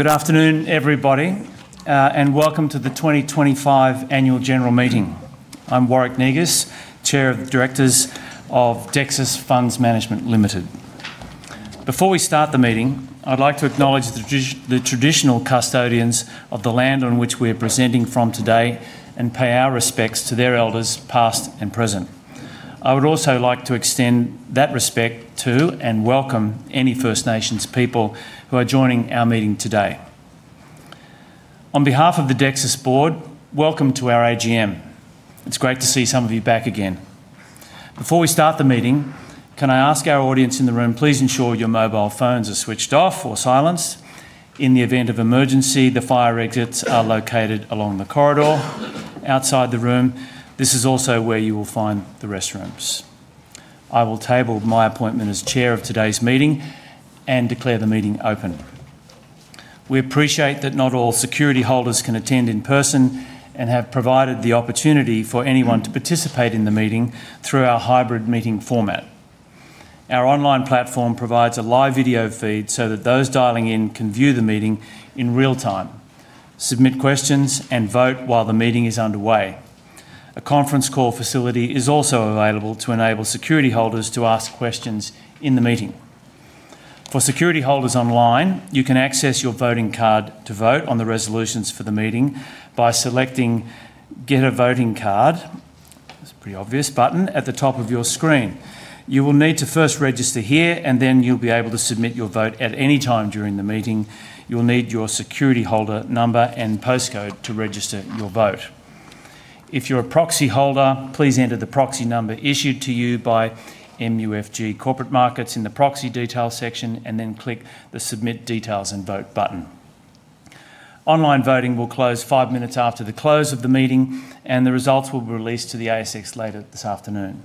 Good afternoon, everybody and welcome to the 2025 Annual General Meeting. I'm Warwick Negus, Chair of the Directors of Dexus Funds Management Limited. Before we start the meeting, I'd like to acknowledge the traditional custodians of the land on which we are presenting from today and pay our respects to their elders, past and present. I would also like to extend that respect to and welcome any First Nations people who are joining our meeting today. On behalf of the Dexus Board, welcome to our AGM. It's great to see some of you back again. Before we start the meeting, can I ask our audience in the room, please ensure your mobile phones are switched off or silenced? In the event of emergency, the fire exits are located along the corridor. Outside the room, this is also where you will find the restrooms. I will table my appointment as Chair of today's meeting and declare the meeting open. We appreciate that not all security holders can attend in person and have provided the opportunity for anyone to participate in the meeting through our hybrid meeting format. Our online platform provides a live video feed so that those dialing in can view the meeting in real time, submit questions, and vote while the meeting is underway. A conference call facility is also available to enable security holders to ask questions in the meeting. For security holders online, you can access your voting card to vote on the resolutions for the meeting by selecting "Get a voting card," it's a pretty obvious button, at the top of your screen. You will need to first register here, and then you'll be able to submit your vote at any time during the meeting. You'll need your security holder number and postcode to register your vote. If you're a proxy holder, please enter the proxy number issued to you by MUFG Corporate Markets in the proxy details section and then click the "Submit Details and Vote" button. Online voting will close five minutes after the close of the meeting, and the results will be released to the ASX later this afternoon.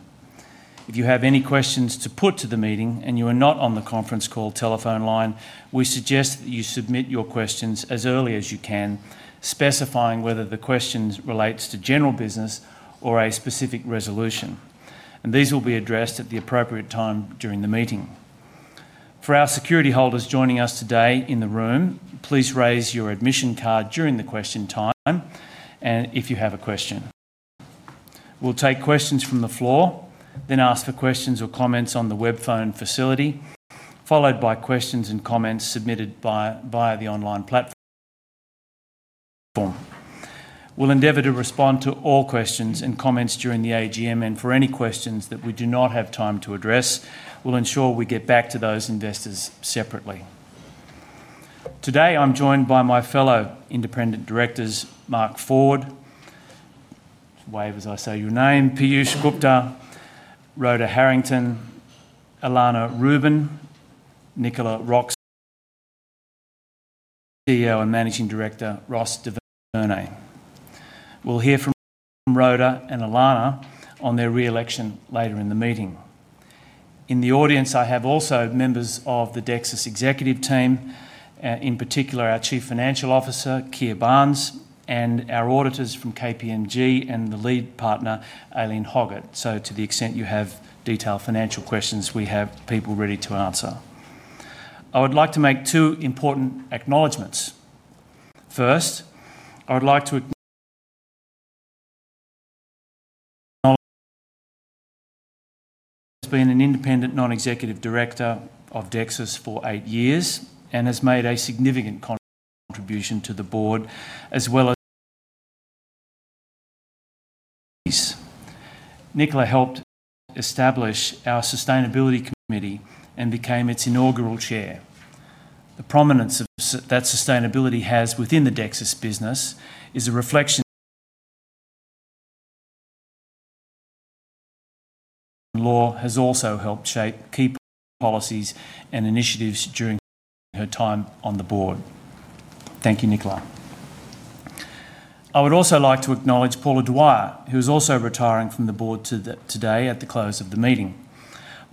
If you have any questions to put to the meeting and you are not on the conference call telephone line, we suggest that you submit your questions as early as you can, specifying whether the question relates to general business or a specific resolution, and these will be addressed at the appropriate time during the meeting. For our security holders joining us today in the room, please raise your admission card during the question time if you have a question. We'll take questions from the floor, then ask for questions or comments on the web phone facility, followed by questions and comments submitted via the online platform. We'll endeavor to respond to all questions and comments during the AGM, and for any questions that we do not have time to address, we'll ensure we get back to those investors separately. Today, I'm joined by my fellow Independent Directors, Mark Ford—wave as I say your name, Peeyush Gupta, Rhoda Harrington, Elana Rubin, Nicola Roxon, and CEO and Managing Director Ross Du Vernet. We'll hear from Rhoda and Elana on their re-election later in the meeting. In the audience, I have also members of the Dexus executive team, in particular our Chief Financial Officer, Keir Barnes, and our auditors from KPMG and the lead partner, Aileen Hoggett. To the extent you have detailed financial questions, we have people ready to answer. I would like to make two important acknowledgements. First, I would like to acknowledge that Nicola has been an Independent Non-Executive Director of Dexus for eight years and has made a significant contribution to the Board, as well as to the board of trustees. Nicola helped establish our Sustainability Committee and became its inaugural Chair. The prominence that sustainability has within the Dexus business is a reflection of how she has also helped shape key policies and initiatives during her time on the Board. Thank you, Nicola. I would also like to acknowledge Paula Dwyer, who is also retiring from the Board today at the close of the meeting.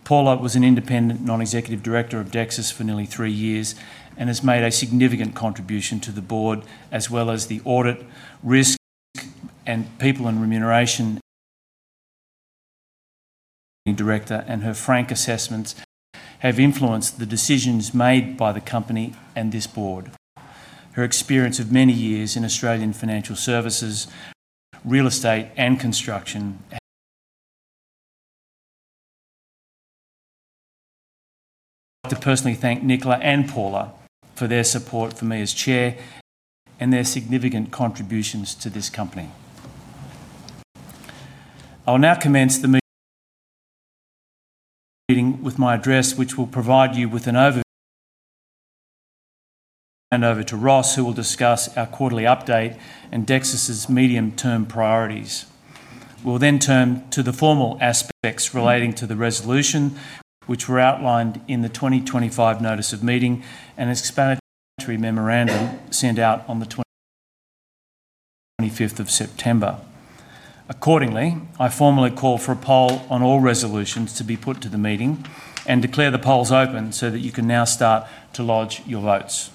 Paula was an Independent Non-Executive Director of Dexus for nearly three years and has made a significant contribution to the Board, as well as the audit, risk, and people and remuneration director, and her frank assessments have influenced the decisions made by the company and this Board. Her experience of many years in Australian financial services, real estate, and construction, I'd like to personally thank Nicola and Paula for their support for me as Chair and their significant contributions to this company. I will now commence the meeting with my address, which will provide you with an overview, and I'll hand over to Ross, who will discuss our quarterly update and Dexus's medium-term priorities. We'll then turn to the formal aspects relating to the resolution, which were outlined in the 2025 Notice of Meeting and explanatory memorandum sent out on the 25th of September. Accordingly, I formally call for a poll on all resolutions to be put to the meeting and declare the polls open so that you can now start to lodge your votes.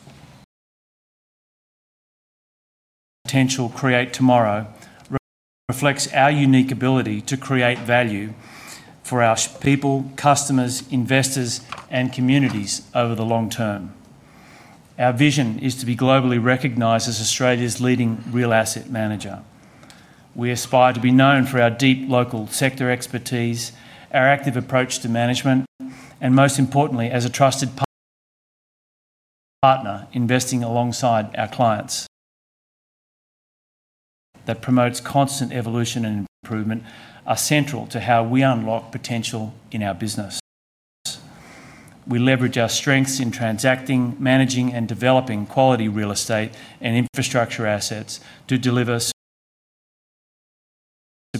The potential created tomorrow reflects our unique ability to create value for our people, customers, investors, and communities over the long term. Our vision is to be globally recognized as Australia's leading real asset manager. We aspire to be known for our deep local sector expertise, our active approach to management, and most importantly, as a trusted partner investing alongside our clients. That promotes constant evolution and improvement are central to how we unlock potential in our business. We leverage our strengths in transacting, managing, and developing quality real estate and infrastructure assets to deliver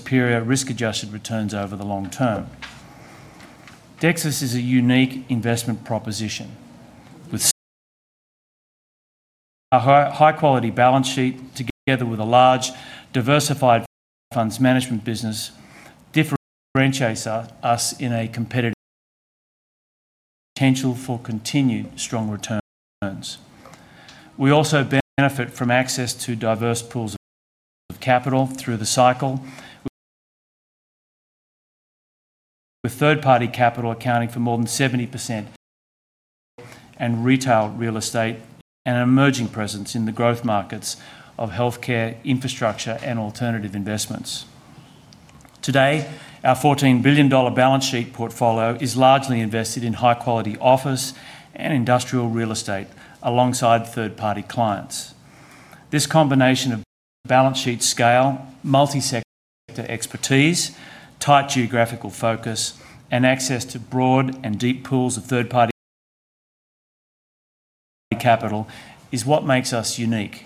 superior risk-adjusted returns over the long term. Dexus is a unique investment proposition with a high-quality balance sheet, together with a large, diversified funds management business, differentiates us in a competitive market with the potential for continued strong returns. We also benefit from access to diverse pools of capital through the cycle, with third-party capital accounting for more than 70% in retail real estate and an emerging presence in the growth markets of healthcare, infrastructure, and alternative investments. Today, our 14 billion dollar balance sheet portfolio is largely invested in high-quality office and industrial real estate alongside third-party clients. This combination of balance sheet scale, multi-sector expertise, tight geographical focus, and access to broad and deep pools of third-party capital is what makes us unique.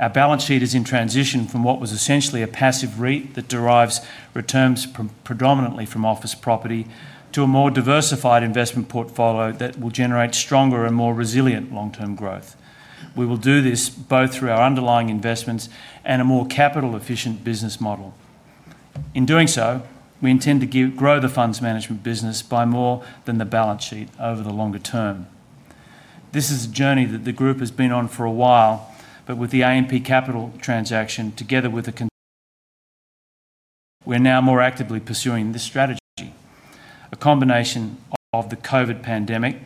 Our balance sheet is in transition from what was essentially a passive REIT that derives returns predominantly from office property to a more diversified investment portfolio that will generate stronger and more resilient long-term growth. We will do this both through our underlying investments and a more capital-efficient business model. In doing so, we intend to grow the funds management business by more than the balance sheet over the longer term. This is a journey that the group has been on for a while, but with the AMP Capital transaction, together with the consulting firm, we're now more actively pursuing this strategy. A combination of the COVID pandemic,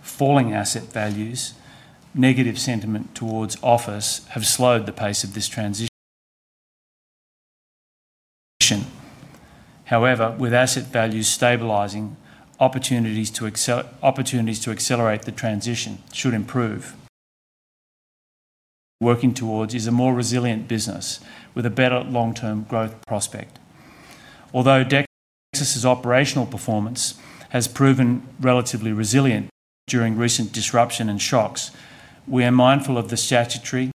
falling asset values, and negative sentiment towards office have slowed the pace of this transition. However, with asset values stabilizing, opportunities to accelerate the transition should improve. What we're working towards is a more resilient business with a better long-term growth prospect. Although Dexus's operational performance has proven relatively resilient during recent disruption and shocks, we are mindful of the statutory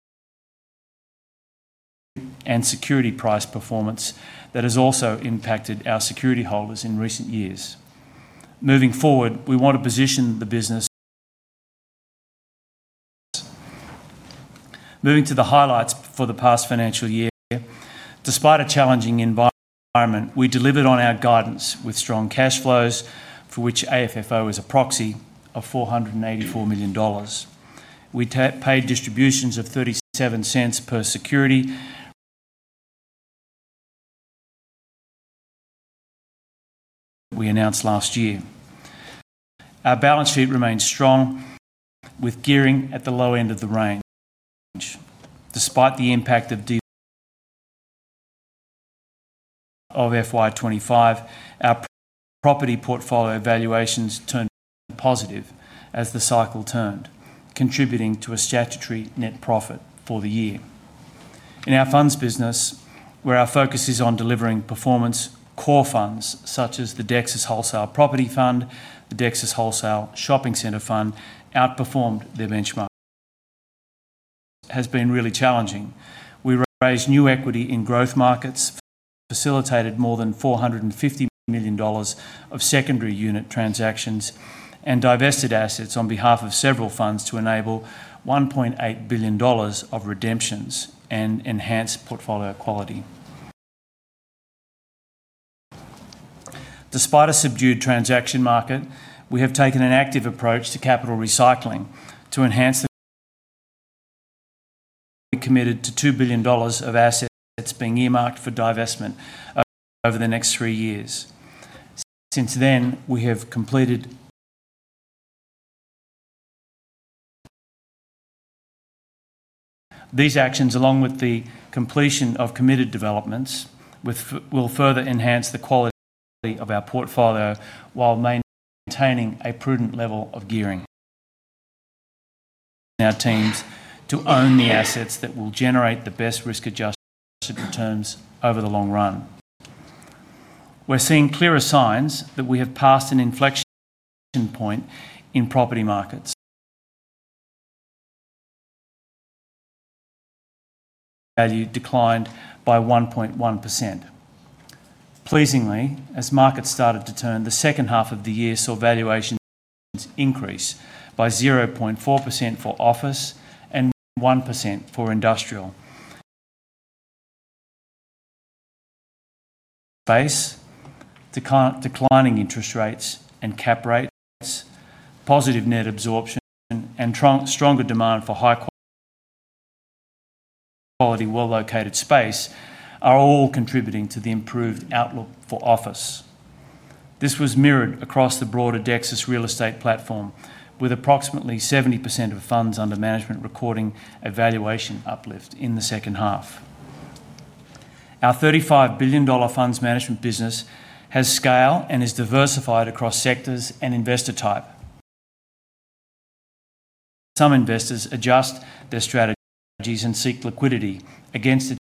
and security price performance that has also impacted our security holders in recent years. Moving forward, we want to position the business. Moving to the highlights for the past financial year, despite a challenging environment, we delivered on our guidance with strong cash flows, for which AFFO is a proxy of 484 million dollars. We paid distributions of 0.37 per security that we announced last year. Our balance sheet remains strong, with gearing at the low end of the range. Despite the impact of FY 2025, our property portfolio valuations turned positive as the cycle turned, contributing to a statutory net profit for the year. In our funds management business, where our focus is on delivering performance, core funds such as the Dexus Wholesale Property Fund, the Dexus Wholesale Shopping Center Fund outperformed their benchmark. It has been really challenging. We raised new equity in growth markets, facilitated more than 450 million dollars of secondary unit transactions, and divested assets on behalf of several funds to enable 1.8 billion dollars of redemptions and enhance portfolio quality. Despite a subdued transaction market, we have taken an active approach to capital recycling to enhance the. We committed to 2 billion dollars of assets being earmarked for divestment over the next three years. Since then, we have completed these actions, along with the completion of committed developments, which will further enhance the quality of our portfolio while maintaining a prudent level of gearing. Our teams to own the assets that will generate the best risk-adjusted returns over the long run. We're seeing clearer signs that we have passed an inflection point in property markets. Value declined by 1.1%. Pleasingly, as markets started to turn, the second half of the year saw valuations increase by 0.4% for office and 1% for industrial. Declining interest rates and cap rates, positive net absorption, and stronger demand for high-quality well-located space are all contributing to the improved outlook for office. This was mirrored across the broader Dexus real estate platform, with approximately 70% of funds under management recording a valuation uplift in the second half. Our 35 billion dollar funds management business has scale and is diversified across sectors and investor type. Some investors adjust their strategies and seek liquidity against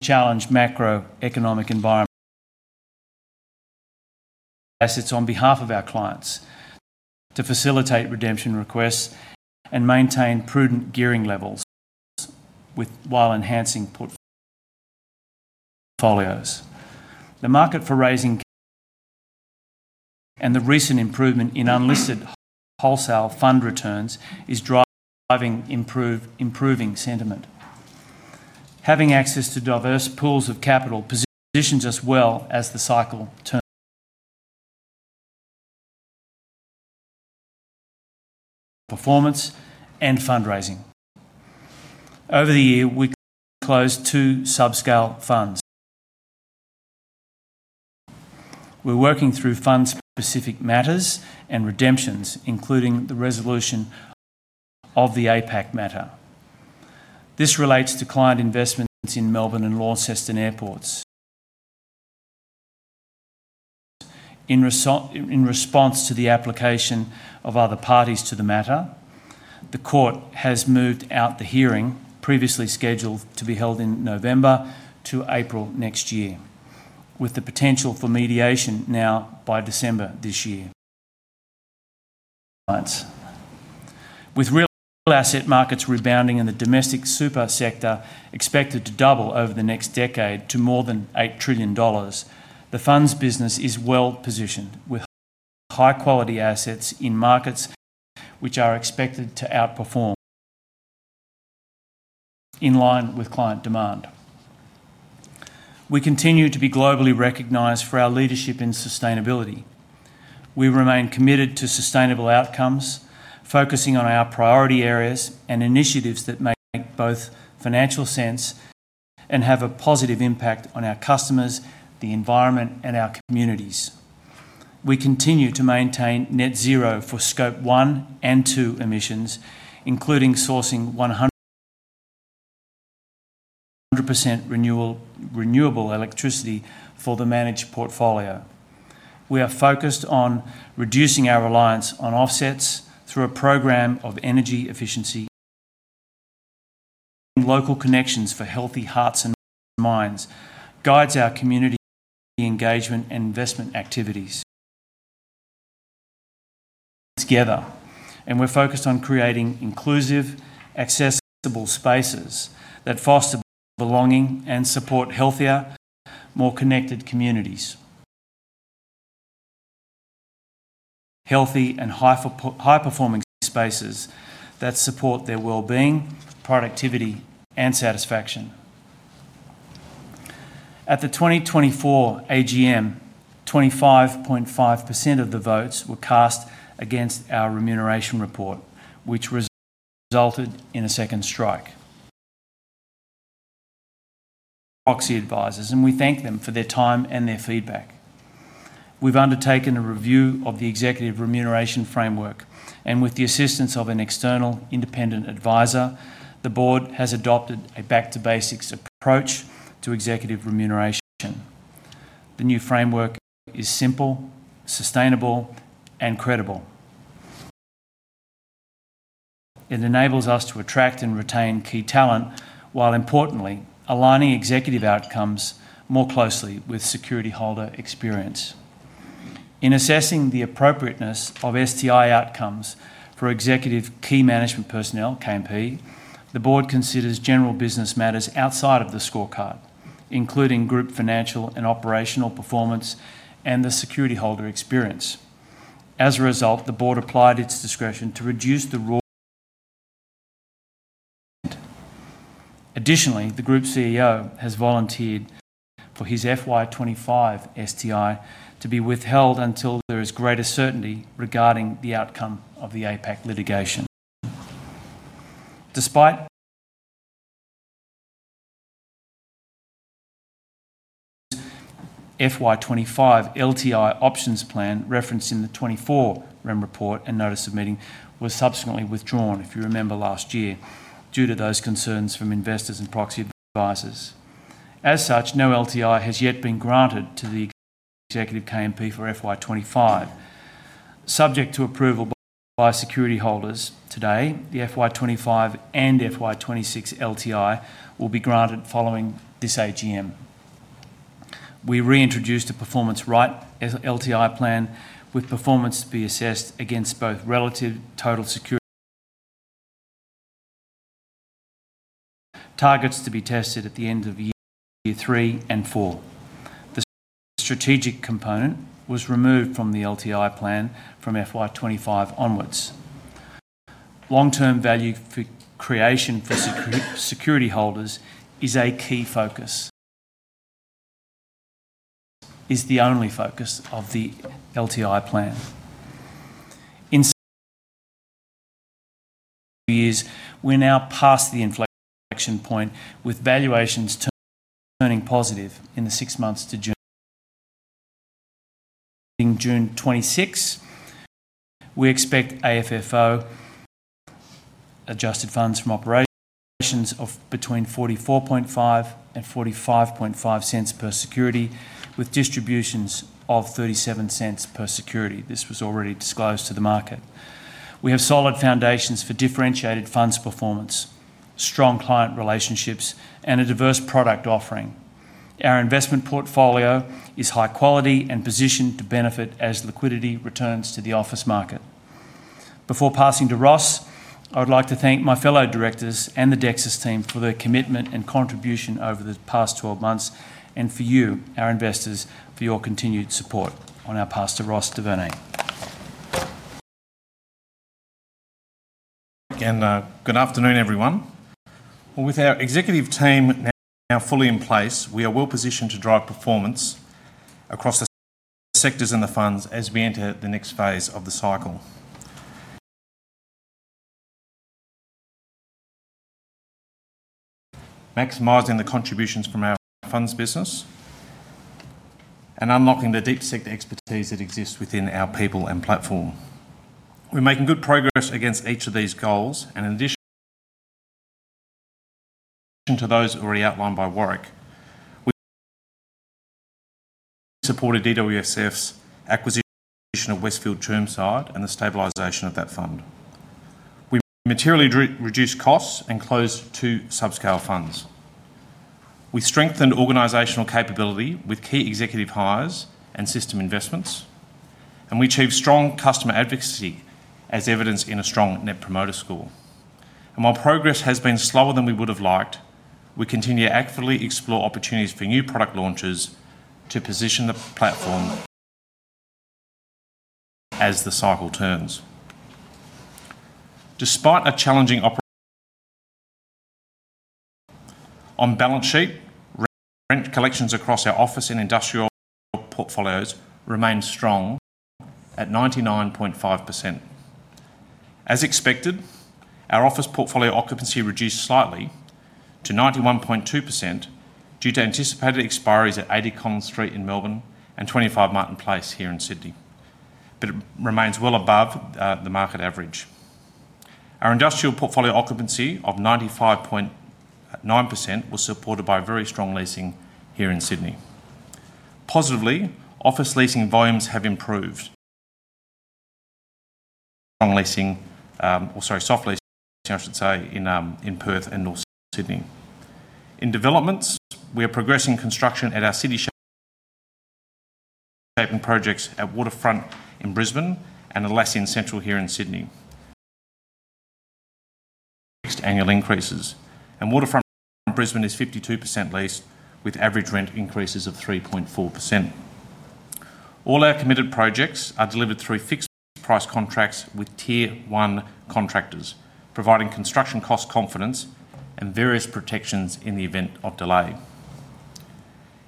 a challenged macroeconomic environment. Assets on behalf of our clients to facilitate redemption requests and maintain prudent gearing levels while enhancing portfolios. The market for raising and the recent improvement in unlisted wholesale fund returns is driving improving sentiment. Having access to diverse pools of capital positions us well as the cycle turns performance and fundraising. Over the year, we closed two sub-scale funds. We're working through fund-specific matters and redemptions, including the resolution of the APAC litigation matter. This relates to client investments in Melbourne and Launceston airports. In response to the application of other parties to the matter, the court has moved out the hearing previously scheduled to be held in November to April next year, with the potential for mediation now by December this year. With real asset markets rebounding and the domestic super sector expected to double over the next decade to more than 8 trillion dollars, the funds business is well positioned with high-quality assets in markets which are expected to outperform in line with client demand. We continue to be globally recognized for our leadership in sustainability. We remain committed to sustainable outcomes, focusing on our priority areas and initiatives that make both financial sense and have a positive impact on our customers, the environment, and our communities. We continue to maintain net zero for Scope 1 and 2 emissions, including sourcing 100% renewable electricity for the managed portfolio. We are focused on reducing our reliance on offsets through a program of energy efficiency and local connections for healthy hearts and minds. Guides our community engagement and investment activities together, and we're focused on creating inclusive, accessible spaces that foster belonging and support healthier, more connected communities. Healthy and high-performing spaces that support their well-being, productivity, and satisfaction. At the 2024 AGM, 25.5% of the votes were cast against our remuneration report, which resulted in a second strike. Proxy advisors, and we thank them for their time and their feedback. We've undertaken a review of the executive remuneration framework, and with the assistance of an external independent advisor, the Board has adopted a back-to-basics approach to executive remuneration. The new framework is simple, sustainable, and credible. It enables us to attract and retain key talent while, importantly, aligning executive outcomes more closely with security holder experience. In assessing the appropriateness of STI outcomes for executive key management personnel, KMP, the Board considers general business matters outside of the scorecard, including group financial and operational performance and the security holder experience. As a result, the Board applied its discretion to reduce the rule. Additionally, the Group CEO has volunteered for his FY 2025 STI to be withheld until there is greater certainty regarding the outcome of the APAC litigation. Despite FY 2025 LTI options plan referenced in the 2024 remuneration report and notice of meeting was subsequently withdrawn, if you remember last year, due to those concerns from investors and proxy advisors. As such, no LTI has yet been granted to the executive KMP for FY 2025. Subject to approval by security holders today, the FY 2025 and FY 2026 LTI will be granted following this AGM. We reintroduced a performance right LTI plan with performance to be assessed against both relative total security targets to be tested at the end of year three and four. The strategic component was removed from the LTI plan from FY 2025 onwards. Long-term value creation for security holders is a key focus. It is the only focus of the LTI plan. In years, we're now past the inflection point with valuations turning positive in the six months to June. June 2026, we expect AFFO adjusted funds from operations of between 0.445 and 0.455 per security, with distributions of 0.37 per security. This was already disclosed to the market. We have solid foundations for differentiated funds performance, strong client relationships, and a diverse product offering. Our investment portfolio is high quality and positioned to benefit as liquidity returns to the office market. Before passing to Ross, I would like to thank my fellow directors and the Dexus team for their commitment and contribution over the past 12 months, and for you, our investors, for your continued support. On our path to Ross Du Vernet. Again, good afternoon, everyone. With our executive team now fully in place, we are well positioned to drive performance across the sectors and the funds as we enter the next phase of the cycle, maximizing the contributions from our funds business and unlocking the deep sector expertise that exists within our people and platform. We're making good progress against each of these goals. In addition to those already outlined by Warwick, we supported DWSF's acquisition of Westfield Turnside and the stabilization of that fund. We materially reduced costs and closed two sub-scale funds. We strengthened organizational capability with key executive hires and system investments, and we achieved strong customer advocacy, as evidenced in a strong net promoter score. While progress has been slower than we would have liked, we continue to actively explore opportunities for new product launches to position the platform as the cycle turns. Despite a challenging operation, on balance sheet, rent collections across our office and industrial portfolios remain strong at 99.5%. As expected, our office portfolio occupancy reduced slightly to 91.2% due to anticipated expiry at 80 Collins Street in Melbourne and 25 Martin Place here in Sydney, but it remains well above the market average. Our industrial portfolio occupancy of 95.9% was supported by very strong leasing here in Sydney. Positively, office leasing volumes have improved. Soft leasing, I should say, in Perth and North Sydney. In developments, we are progressing construction at our city shaping projects at Waterfront in Brisbane and Alessian Central here in Sydney. Annual increases, and Waterfront in Brisbane is 52% leased, with average rent increases of 3.4%. All our committed projects are delivered through fixed price contracts with Tier 1 contractors, providing construction cost confidence and various protections in the event of delay.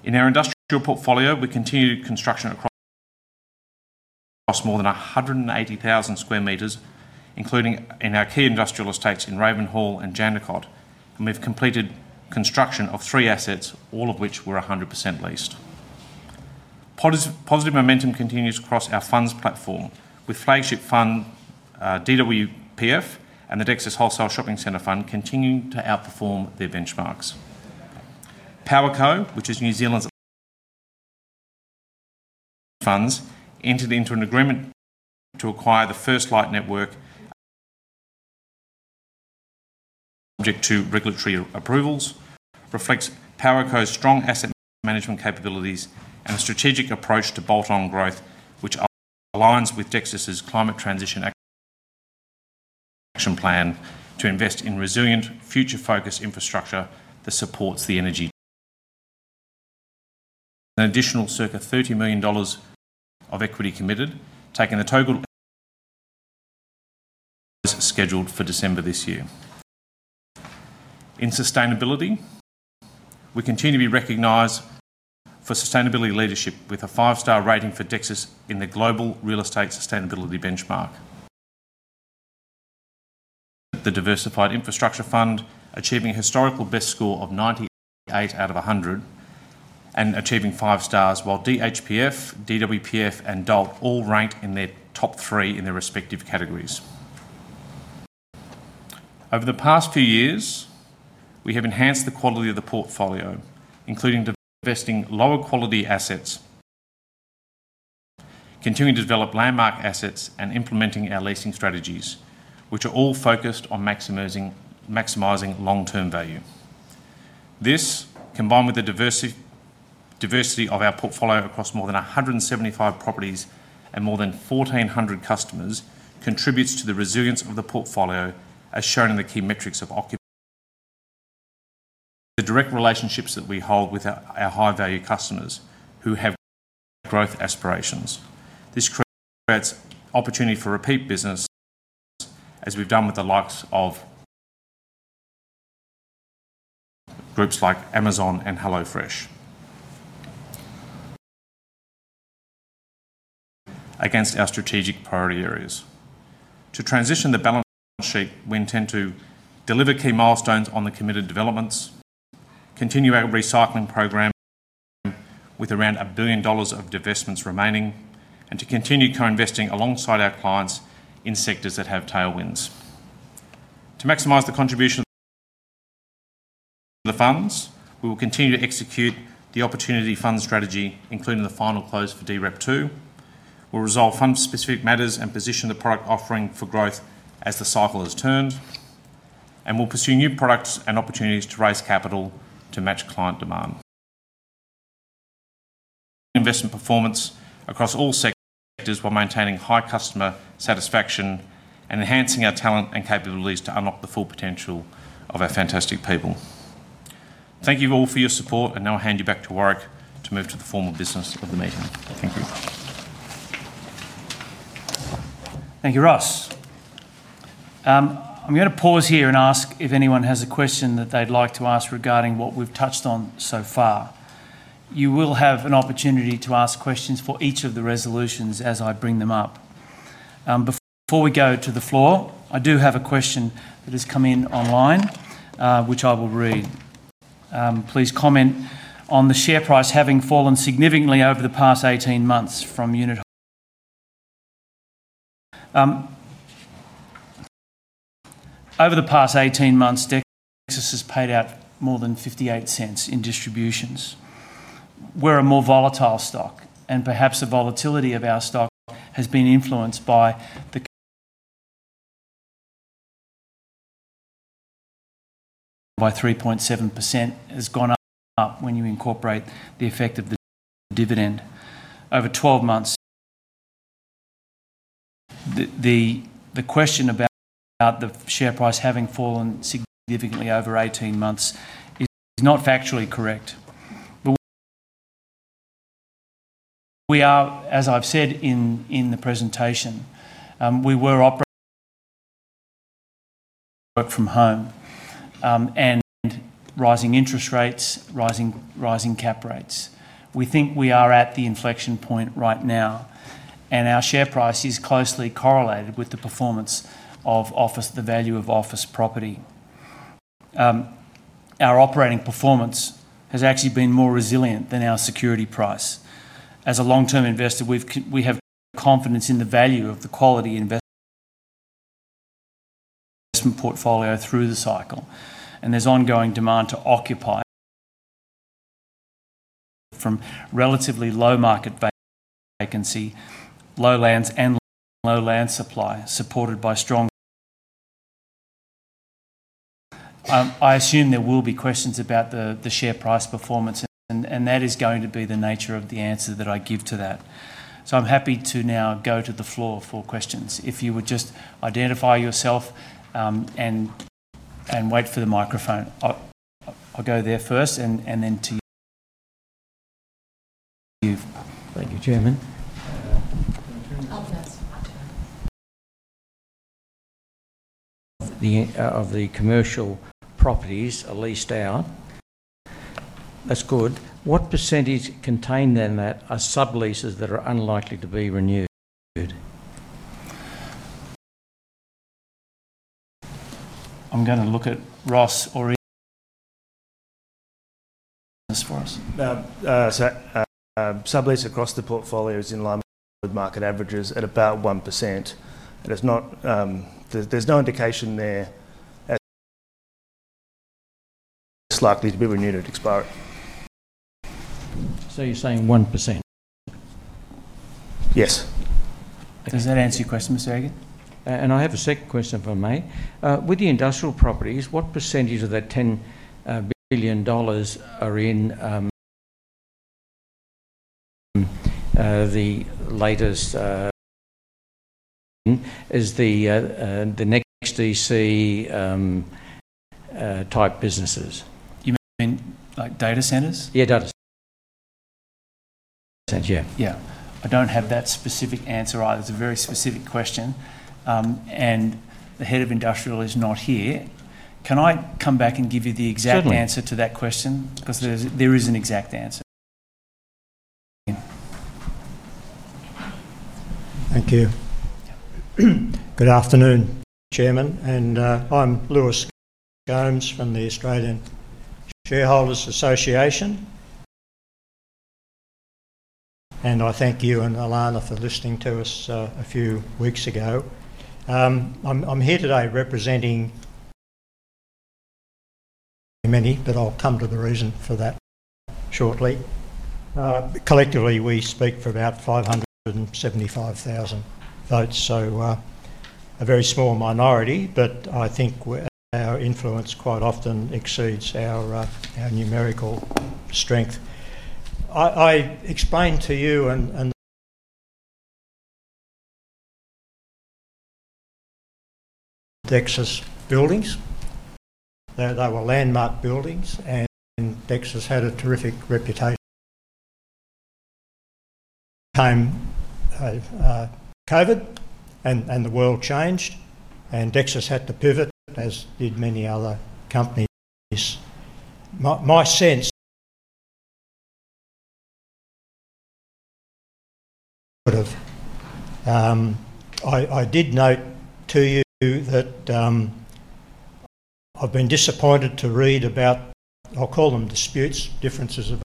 In our industrial portfolio, we continue construction across more than 180,000 sq m, including in our key industrial estates in Raven Hall and Jandakot, and we've completed construction of three assets, all of which were 100% leased. Positive momentum continues across our funds platform, with flagship fund DWPF and the Dexus Wholesale Shopping Center Fund continuing to outperform their benchmarks. Powerco, which is New Zealand's funds, entered into an agreement to acquire the First Light Network, subject to regulatory approvals, reflects Powerco's strong asset management capabilities and a strategic approach to bolt-on growth, which aligns with Dexus's climate transition action plan to invest in resilient, future-focused infrastructure that supports the energy. An additional circa 30 million dollars of equity committed, taking the total scheduled for December this year. In sustainability, we continue to be recognized for sustainability leadership, with a five-star rating for Dexus in the Global Real Estate Sustainability Benchmark. The Diversified Infrastructure Fund achieved a historical best score of 98 out of 100 and achieved five stars, while DHPF, DWPF, and DOLT all ranked in their top three in their respective categories. Over the past few years, we have enhanced the quality of the portfolio, including investing in lower quality assets, continuing to develop landmark assets, and implementing our leasing strategies, which are all focused on maximizing long-term value. This, combined with the diversity of our portfolio across more than 175 properties and more than 1,400 customers, contributes to the resilience of the portfolio, as shown in the key metrics of occupancy, the direct relationships that we hold with our high-value customers who have growth aspirations. This creates opportunity for repeat business, as we've done with the likes of groups like Amazon and HelloFresh, against our strategic priority areas. To transition the balance sheet, we intend to deliver key milestones on the committed developments, continue our recycling program with around 1 billion dollars of divestments remaining, and to continue co-investing alongside our clients in sectors that have tailwinds. To maximize the contribution of the funds, we will continue to execute the opportunity fund strategy, including the final close for DREP2. We'll resolve fund-specific matters and position the product offering for growth as the cycle has turned, and we'll pursue new products and opportunities to raise capital to match client demand. Investment performance across all sectors while maintaining high customer satisfaction and enhancing our talent and capabilities to unlock the full potential of our fantastic people. Thank you all for your support, and I'll hand you back to Warwick to move to the formal business of the meeting. Thank you. Thank you, Ross. I'm going to pause here and ask if anyone has a question that they'd like to ask regarding what we've touched on so far. You will have an opportunity to ask questions for each of the resolutions as I bring them up. Before we go to the floor, I do have a question that has come in online, which I will read. Please comment on the share price having fallen significantly over the past 18 months. Dexus has paid out more than 0.58 in distributions. We're a more volatile stock, and perhaps the volatility of our stock has been influenced by the 3.7% has gone up when you incorporate the effect of the dividend over 12 months. The question about the share price having fallen significantly over 18 months is not factually correct, but we are, as I've said in the presentation, we were from home, and rising interest rates, rising cap rates. We think we are at the inflection point right now, and our share price is closely correlated with the performance of the value of office property. Our operating performance has actually been more resilient than our security price. As a long-term investor, we have confidence in the value of the quality investment portfolio through the cycle, and there's ongoing demand to occupy from relatively low market vacancy, low lands, and low land supply supported by strong. I assume there will be questions about the share price performance, and that is going to be the nature of the answer that I give to that. I'm happy to now go to the floor for questions. If you would just identify yourself and wait for the microphone. I'll go there first, and then to you. Thank you, Chairman. Of the commercial properties are leased out. That's good. What % contain then that are sub-leases that are unlikely to be renewed? I'm going to look at Ross or for us now. Sub-lease across the portfolio is in line with market averages at about 1%. There's no indication there it's likely to be renewed at expiry. You're saying 1%? Yes. Does that answer your question, Mr. Harrington? I have a second question if I may. With the industrial properties, what percentage of that 10 billion dollars are in the latest? Is the next DC type businesses? You mean like data centers? Yeah, data centers. Yeah. I don't have that specific answer either. It's a very specific question, and the Head of Industrial is not here. Can I come back and give you the exact answer to that question? Because there is an exact answer. Thank you. Good afternoon, Chairman, and I'm Lewis Gomes from the Australian Shareholders Association, and I thank you and Elana for listening to us a few weeks ago. I'm here today representing many, but I'll come to the reason for that shortly. Collectively, we speak for about 575,000 votes, so a very small minority, but I think our influence quite often exceeds our numerical strength. I explained to you and Dexus buildings. They were landmark buildings, and Dexus had a terrific reputation. Came COVID, and the world changed, and Dexus had to pivot, as did many other companies. My sense sort of I did note to you that I've been disappointed to read about, I'll call them disputes, differences of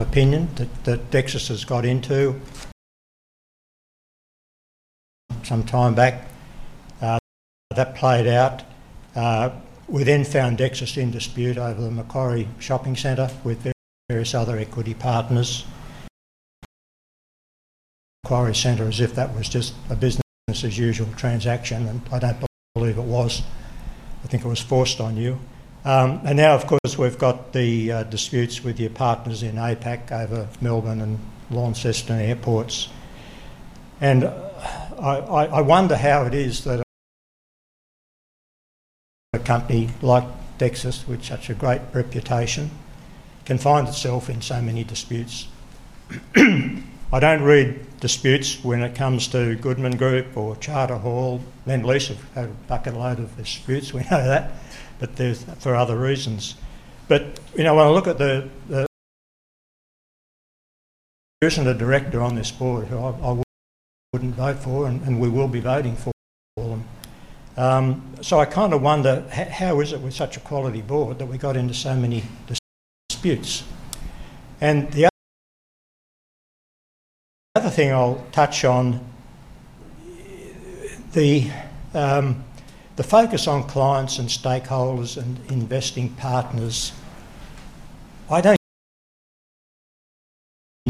opinion that Dexus has got into some time back. That played out. We then found Dexus in dispute over the Macquarie Shopping Centre with various other equity partners. Macquarie Centre, as if that was just a business as usual transaction, and I don't believe it was. I think it was forced on you. Now, of course, we've got the disputes with your partners in APAC over Melbourne and Launceston airports, and I wonder how it is that a company like Dexus, with such a great reputation, can find itself in so many disputes. I don't read disputes when it comes to Goodman Group or Charter Hall. Men Lose have had a bucket load of disputes. We know that, but for other reasons. When I look at the there isn't a director on this board who I wouldn't vote for, and we will be voting for them. I kind of wonder, how is it with such a quality board that we got into so many disputes? The other thing I'll touch on, the focus on clients and stakeholders and investing partners, I don't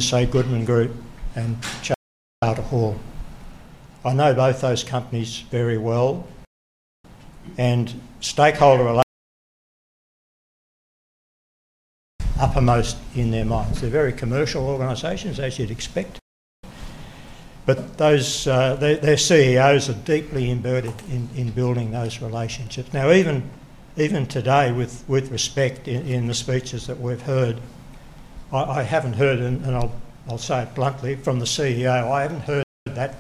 say Goodman Group and Charter Hall. I know both those companies very well, and stakeholder uppermost in their minds. They're very commercial organizations, as you'd expect, but their CEOs are deeply inverted in building those relationships. Even today, with respect in the speeches that we've heard, I haven't heard, and I'll say it bluntly, from the CEO, I haven't heard that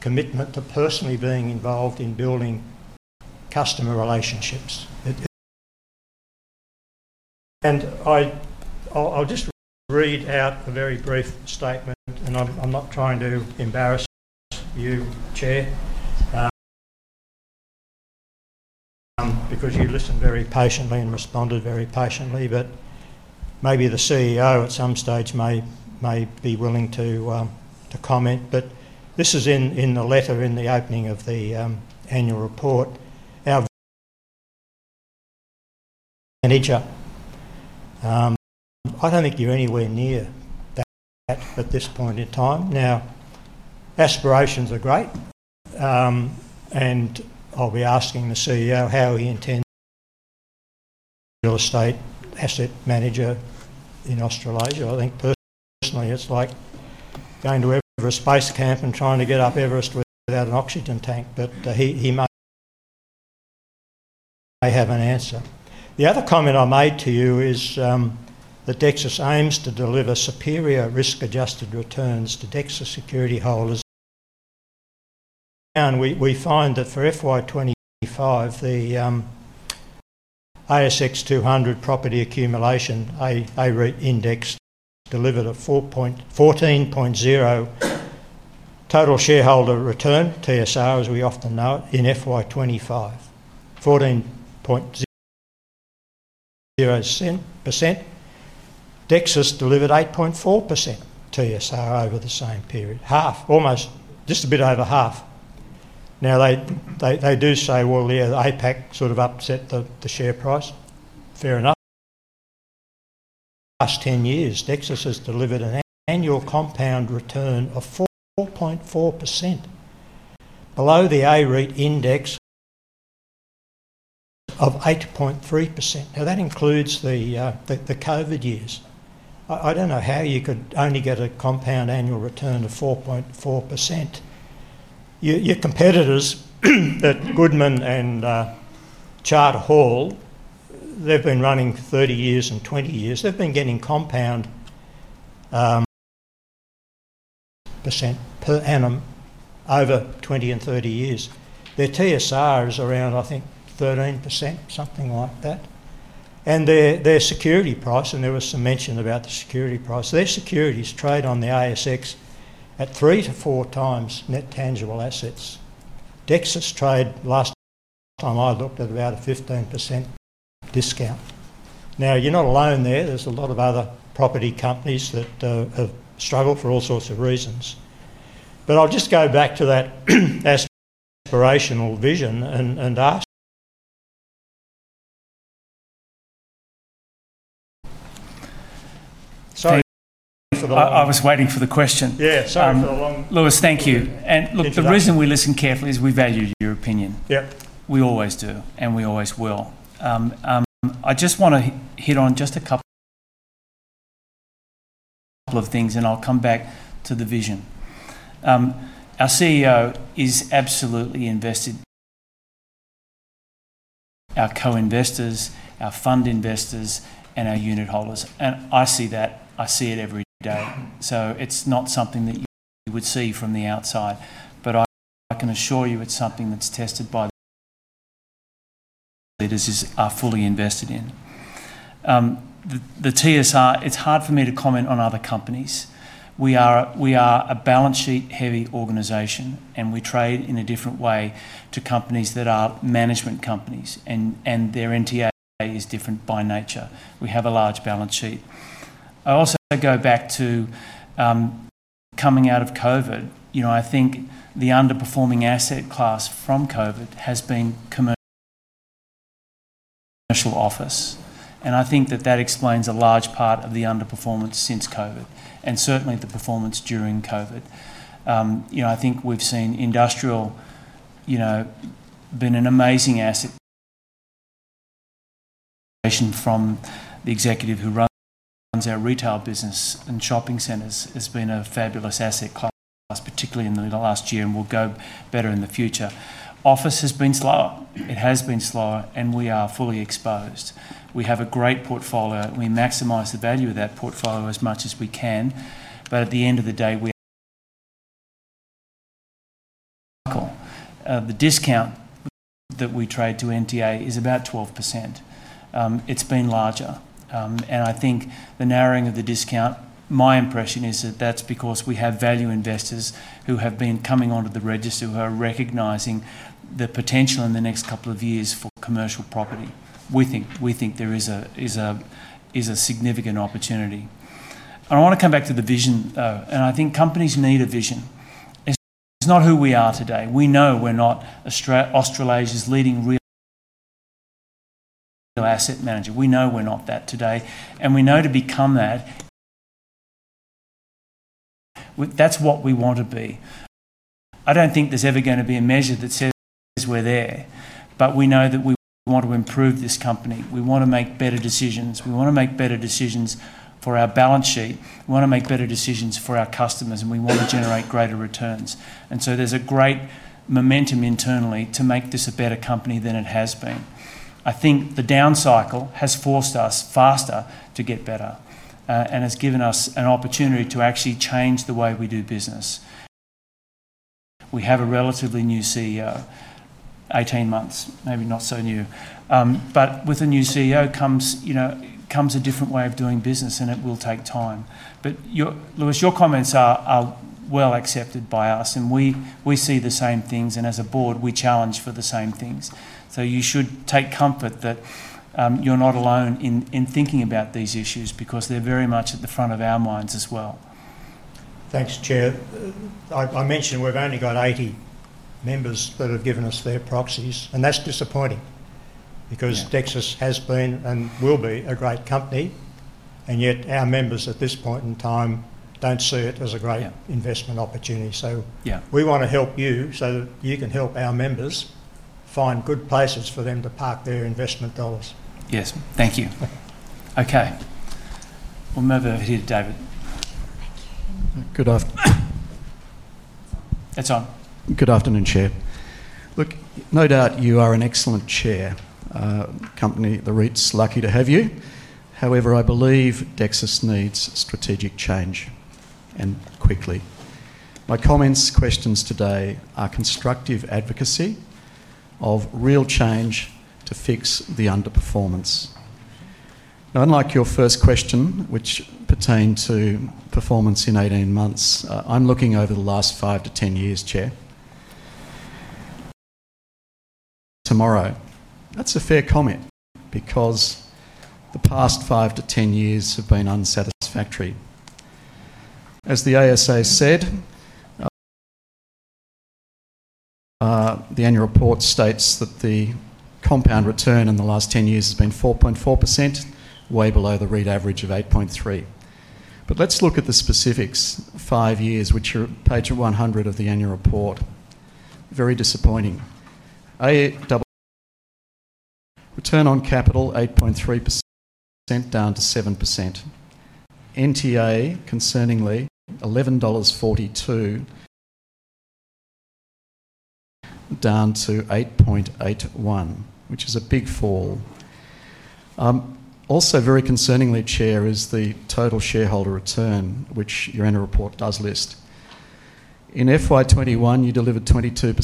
commitment to personally being involved in building customer relationships. I'll just read out a very brief statement, and I'm not trying to embarrass you, Chair, because you listened very patiently and responded very patiently, but maybe the CEO at some stage may be willing to comment. This is in the letter in the opening of the annual report. Our manager, I don't think you're anywhere near that at this point in time. Aspirations are great, and I'll be asking the CEO how he intends to be a real asset manager in Australasia. I think personally, it's like going to Everest Base Camp and trying to get up Everest without an oxygen tank, but he may have an answer. The other comment I made to you is that Dexus aims to deliver superior risk-adjusted returns to Dexus security holders. We find that for FY 2025, the ASX 200 Property Accumulation A-REIT Index delivered a 14.0% total shareholder return, TSR, as we often know it, in FY 2025. 14.0%. Dexus delivered 8.4% TSR over the same period. Half, almost just a bit over half. They do say all year the APAC sort of upset the share price. Fair enough. The last 10 years, Dexus has delivered an annual compound return of 4.4% below the A-REIT Index of 8.3%. That includes the COVID years. I don't know how you could only get a compound annual return of 4.4%. Your competitors, Goodman Group and Charter Hall, they've been running 30 years and 20 years. They've been getting compound % per annum over 20 and 30 years. Their TSR is around, I think, 13%, something like that. Their security price, and there was some mention about the security price, their securities trade on the ASX at three to four times net tangible assets. Dexus traded last time I looked at about a 15% discount. You're not alone there. There are a lot of other property companies that have struggled for all sorts of reasons. I'll just go back to that aspirational vision and ask. Sorry. I was waiting for the question. Yeah, sorry. Lewis, thank you. The reason we listen carefully is we value your opinion. Yeah. We always do, and we always will. I just want to hit on just a couple of things, and I'll come back to the vision. Our CEO is absolutely invested in our co-investors, our fund investors, and our unit holders, and I see that. I see it every day. It's not something that you would see from the outside, but I can assure you it's something that's tested by the leaders who are fully invested in. The TSR, it's hard for me to comment on other companies. We are a balance-sheet-heavy organization, and we trade in a different way to companies that are management companies, and their NTA is different by nature. We have a large balance sheet. I also go back to coming out of COVID. I think the underperforming asset class from COVID has been commercial office, and I think that explains a large part of the underperformance since COVID and certainly the performance during COVID. I think we've seen industrial been an amazing asset. The executive who runs our retail business and shopping centers has been a fabulous asset class, particularly in the last year, and will go better in the future. Office has been slower. It has been slower, and we are fully exposed. We have a great portfolio, and we maximize the value of that portfolio as much as we can, but at the end of the day, the discount that we trade to NTA is about 12%. It's been larger, and I think the narrowing of the discount, my impression is that that's because we have value investors who have been coming onto the register who are recognizing the potential in the next couple of years for commercial property. We think there is a significant opportunity. I want to come back to the vision, and I think companies need a vision. It's not who we are today. We know we're not Australasia's leading real asset manager. We know we're not that today, and we know to become that, that's what we want to be. I don't think there's ever going to be a measure that says we're there, but we know that we want to improve this company. We want to make better decisions. We want to make better decisions for our balance sheet. We want to make better decisions for our customers, and we want to generate greater returns. There's a great momentum internally to make this a better company than it has been. I think the down cycle has forced us faster to get better and has given us an opportunity to actually change the way we do business. We have a relatively new CEO. 18 months, maybe not so new. With a new CEO comes a different way of doing business, and it will take time. Lewis, your comments are well accepted by us, and we see the same things. As a board, we challenge for the same things. You should take comfort that you're not alone in thinking about these issues because they're very much at the front of our minds as well. Thanks, Chair. I mentioned we've only got 80 members that have given us their proxies, and that's disappointing because Dexus has been and will be a great company, and yet our members at this point in time don't see it as a great investment opportunity. We want to help you so that you can help our members find good places for them to park their investment dollars. Yes, thank you. Okay, we'll move over here, David. Good afternoon. It's on. Good afternoon, Chair. Look, no doubt you are an excellent Chair. The company, the REITs, are lucky to have you. However, I believe Dexus needs strategic change and quickly. My comments, questions today are constructive advocacy of real change to fix the underperformance. Now, unlike your first question, which pertained to performance in 18 months, I'm looking over the last five to 10 years, Chair. That's a fair comment because the past five to 10 years have been unsatisfactory. As the ASA said, the annual report states that the compound return in the last 10 years has been 4.4%, way below the REIT average of 8.3%. Let's look at the specifics five years, which are page 100 of the annual report. Very disappointing. Return on capital, 8.3%, down to 7%. NTA, concerningly, 11.42 dollars, down to 8.81, which is a big fall. Also, very concerningly, Chair, is the total shareholder return, which your annual report does list. In FY 2021, you delivered 22%.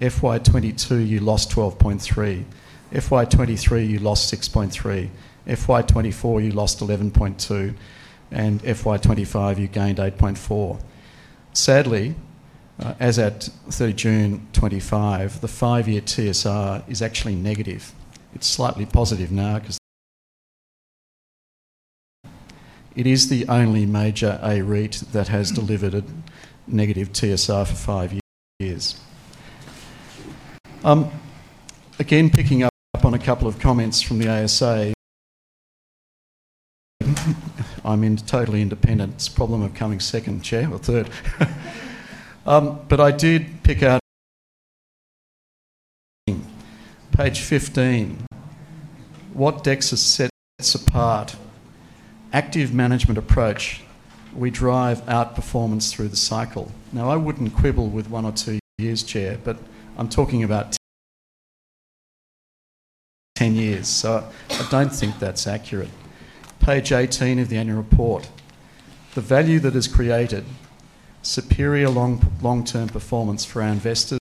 FY 2022, you lost 12.3%. FY 2023, you lost 6.3%. FY 2024, you lost 11.2%. FY 2025, you gained 8.4%. Sadly, as at June 25, the five-year TSR is actually negative. It's slightly positive now because it is the only major A-REIT that has delivered a negative TSR for five years. Again, picking up on a couple of comments from the ASA, I'm in totally independence. Problem of coming second, Chair, or third. I did pick out page 15. What Dexus sets apart? Active management approach. We drive outperformance through the cycle. I wouldn't quibble with one or two years, Chair, but I'm talking about 10 years, so I don't think that's accurate. Page 18 of the annual report. The value that is created, superior long-term performance for our investors.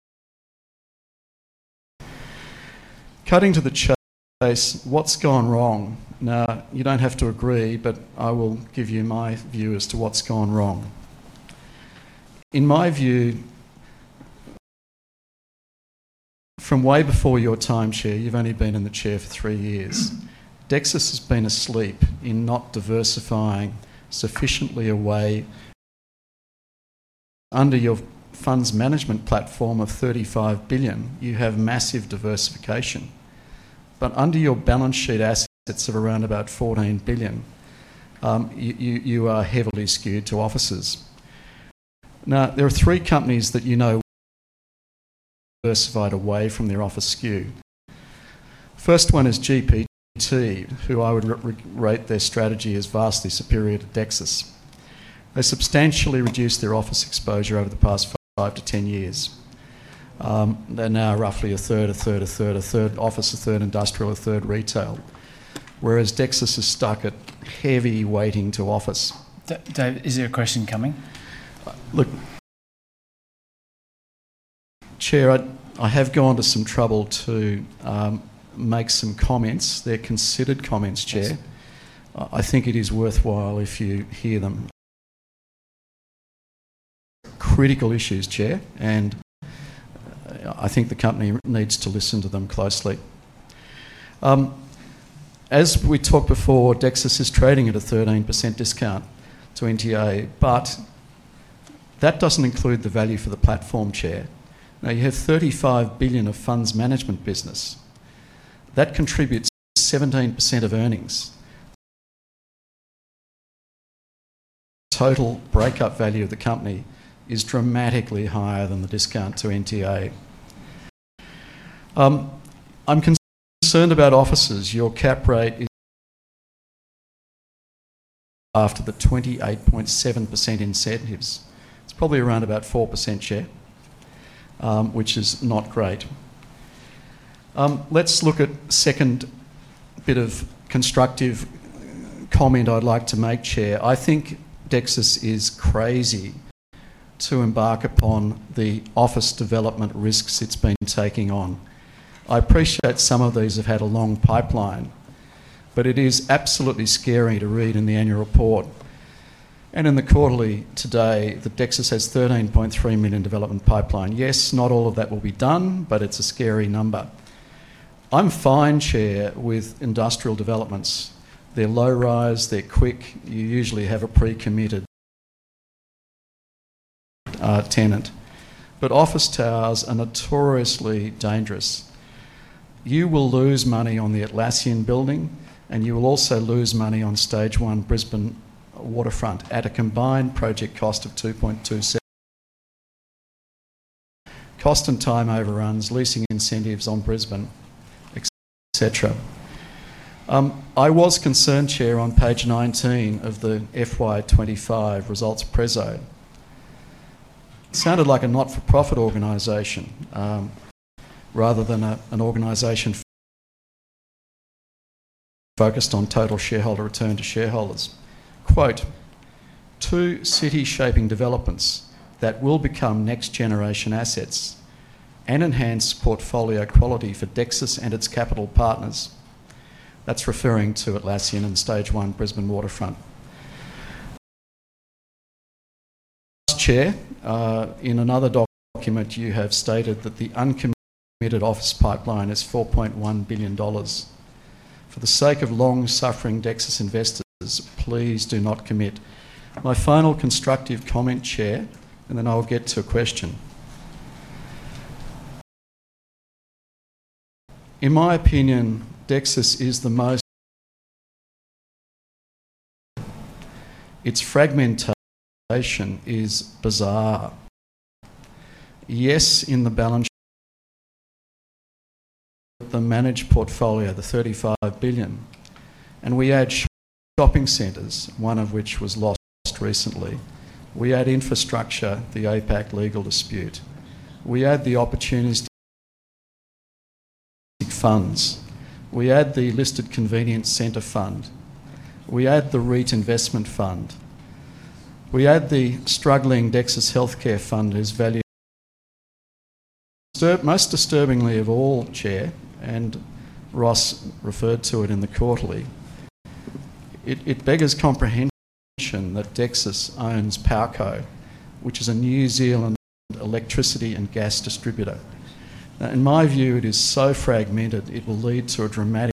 Cutting to the chase, what's gone wrong? You don't have to agree, but I will give you my view as to what's gone wrong. In my view, from way before your time, Chair, you've only been in the Chair for three years. Dexus has been asleep in not diversifying sufficiently away. Under your funds management platform of 35 billion, you have massive diversification. Under your balance sheet assets of around about 14 billion, you are heavily skewed to offices. There are three companies that you know diversified away from their office skew. The first one is GPT, who I would rate their strategy as vastly superior to Dexus. They substantially reduced their office exposure over the past five to 10 years. They're now roughly a third, a third, a third, a third office, a third industrial, a third retail, whereas Dexus is stuck at heavy weighting to office. David, is there a question coming? Look, Chair, I have gone to some trouble to make some comments. They're considered comments, Chair. I think it is worthwhile if you hear them. Critical issues, Chair, and I think the company needs to listen to them closely. As we talked before, Dexus is trading at a 13% discount to NTA, but that doesn't include the value for the platform, Chair. Now, you have 35 billion of funds management business. That contributes 17% of earnings. Total breakup value of the company is dramatically higher than the discount to NTA. I'm concerned about offices. Your cap rate is after the 28.7% incentives. It's probably around about 4%, Chair, which is not great. Let's look at the second bit of constructive comment I'd like to make, Chair. I think Dexus is crazy to embark upon the office development risks it's been taking on. I appreciate some of these have had a long pipeline, but it is absolutely scary to read in the annual report and in the quarterly today that Dexus has 13.3 million development pipeline. Yes, not all of that will be done, but it's a scary number. I'm fine, Chair, with industrial developments. They're low-rise. They're quick. You usually have a pre-committed tenant. Office towers are notoriously dangerous. You will lose money on the Atlassian building, and you will also lose money on Stage 1, Brisbane Waterfront, at a combined project cost of 2.27 billion. Cost and time overruns, leasing incentives on Brisbane, etc. I was concerned, Chair, on page 19 of the FY 2025 results presentation. It sounded like a not-for-profit organization rather than an organization focused on total shareholder return to shareholders. Quote, "Two city-shaping developments that will become next-generation assets and enhance portfolio quality for Dexus and its capital partners." That's referring to Atlassian and Stage 1, Brisbane Waterfront. Chair, in another document, you have stated that the uncommitted office pipeline is 4.1 billion dollars. For the sake of long-suffering Dexus investors, please do not commit. My final constructive comment, Chair, and then I'll get to a question. In my opinion, Dexus is the most its fragmentation is bizarre. Yes, in the balance, the managed portfolio, the 35 billion, and we add shopping centers, one of which was lost recently. We add infrastructure, the APAC litigation dispute. We add the opportunistic funds. We add the listed convenience center fund. We add the REIT investment fund. We add the struggling Dexus healthcare fund as value. Most disturbingly of all, Chair, and Ross referred to it in the quarterly, it beggars comprehension that Dexus owns Powerco, which is a New Zealand electricity and gas distributor. In my view, it is so fragmented it will lead to a dramatic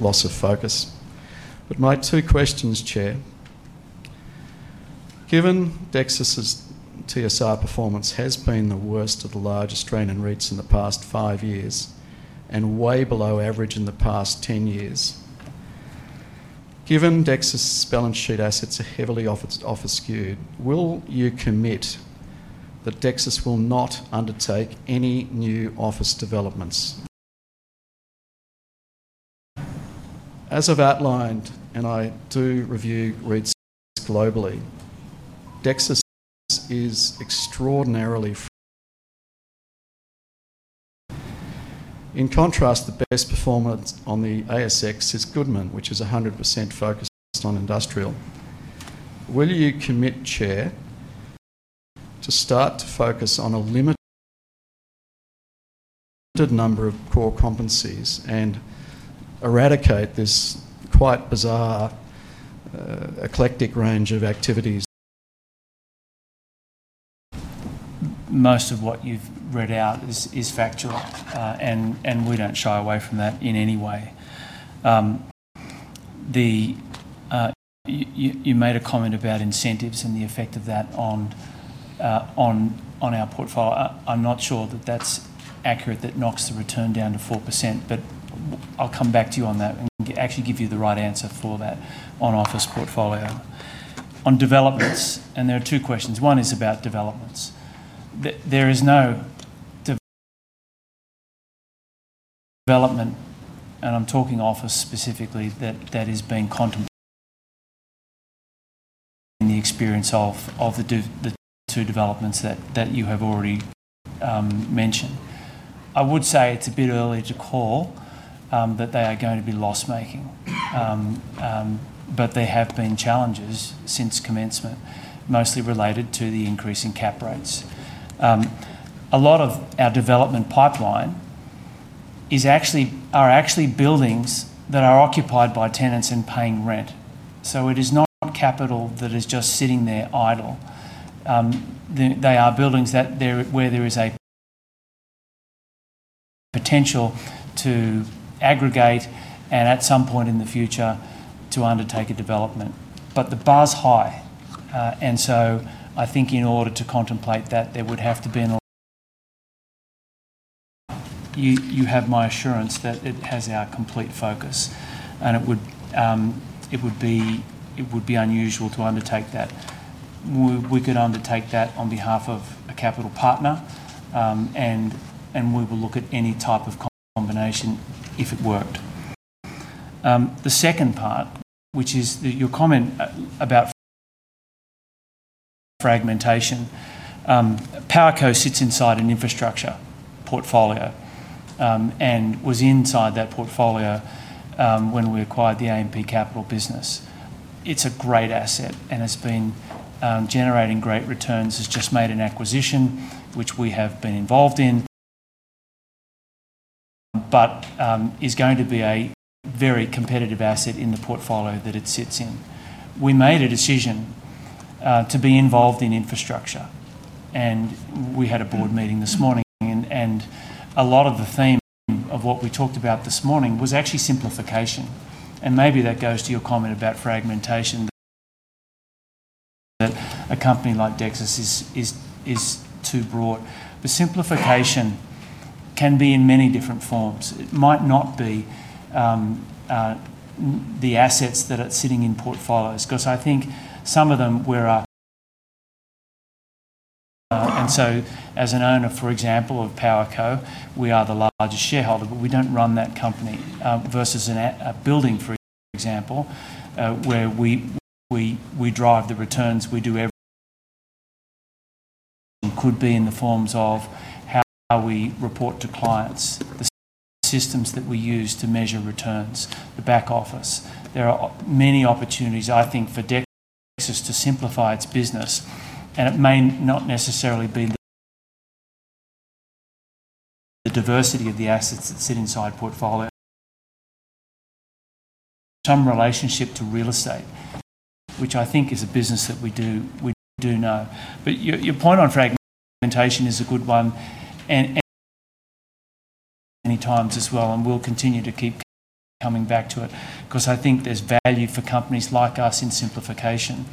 loss of focus. My two questions, Chair, given Dexus's TSR performance has been the worst of the large Australian REITs in the past five years and way below average in the past 10 years, given Dexus's balance sheet assets are heavily office skewed, will you commit that Dexus will not undertake any new office developments? As I've outlined, and I do review REITs globally, Dexus is extraordinarily in contrast to the best performance on the ASX is Goodman, which is 100% focused on industrial. Will you commit, Chair, to start to focus on a limited number of core competencies and eradicate this quite bizarre, eclectic range of activities? Most of what you've read out is factual, and we don't shy away from that in any way. You made a comment about incentives and the effect of that on our portfolio. I'm not sure that that's accurate, that knocks the return down to 4%, but I'll come back to you on that and actually give you the right answer for that on office portfolio. On developments, and there are two questions. One is about developments. There is no development, and I'm talking office specifically, that is being contemplated in the experience of the two developments that you have already mentioned. I would say it's a bit early to call that they are going to be loss-making, but there have been challenges since commencement, mostly related to the increase in cap rates. A lot of our development pipeline are actually buildings that are occupied by tenants and paying rent. It is not capital that is just sitting there idle. They are buildings where there is a potential to aggregate and at some point in the future to undertake a development. The bar's high, and I think in order to contemplate that, you have my assurance that it has our complete focus, and it would be unusual to undertake that. We could undertake that on behalf of a capital partner, and we will look at any type of combination if it worked. The second part, which is your comment about fragmentation, Powerco sits inside an infrastructure portfolio and was inside that portfolio when we acquired the AMP Capital business. It's a great asset and has been generating great returns. It's just made an acquisition, which we have been involved in, but is going to be a very competitive asset in the portfolio that it sits in. We made a decision to be involved in infrastructure, and we had a board meeting this morning, and a lot of the theme of what we talked about this morning was actually simplification. Maybe that goes to your comment about fragmentation, that a company like Dexus is too broad. Simplification can be in many different forms. It might not be the assets that are sitting in portfolios because I think some of them were, and as an owner, for example, of Powerco, we are the largest shareholder, but we don't run that company. Versus a building, for example, where we drive the returns, we do everything. It could be in the forms of how we report to clients, the systems that we use to measure returns, the back office. There are many opportunities, I think, for Dexus to simplify its business, and it may not necessarily be the diversity of the assets that sit inside portfolio, some relationship to real estate, which I think is a business that we do know. Your point on fragmentation is a good one, and many times as well, and we'll continue to keep coming back to it because I think there's value for companies like us in simplification.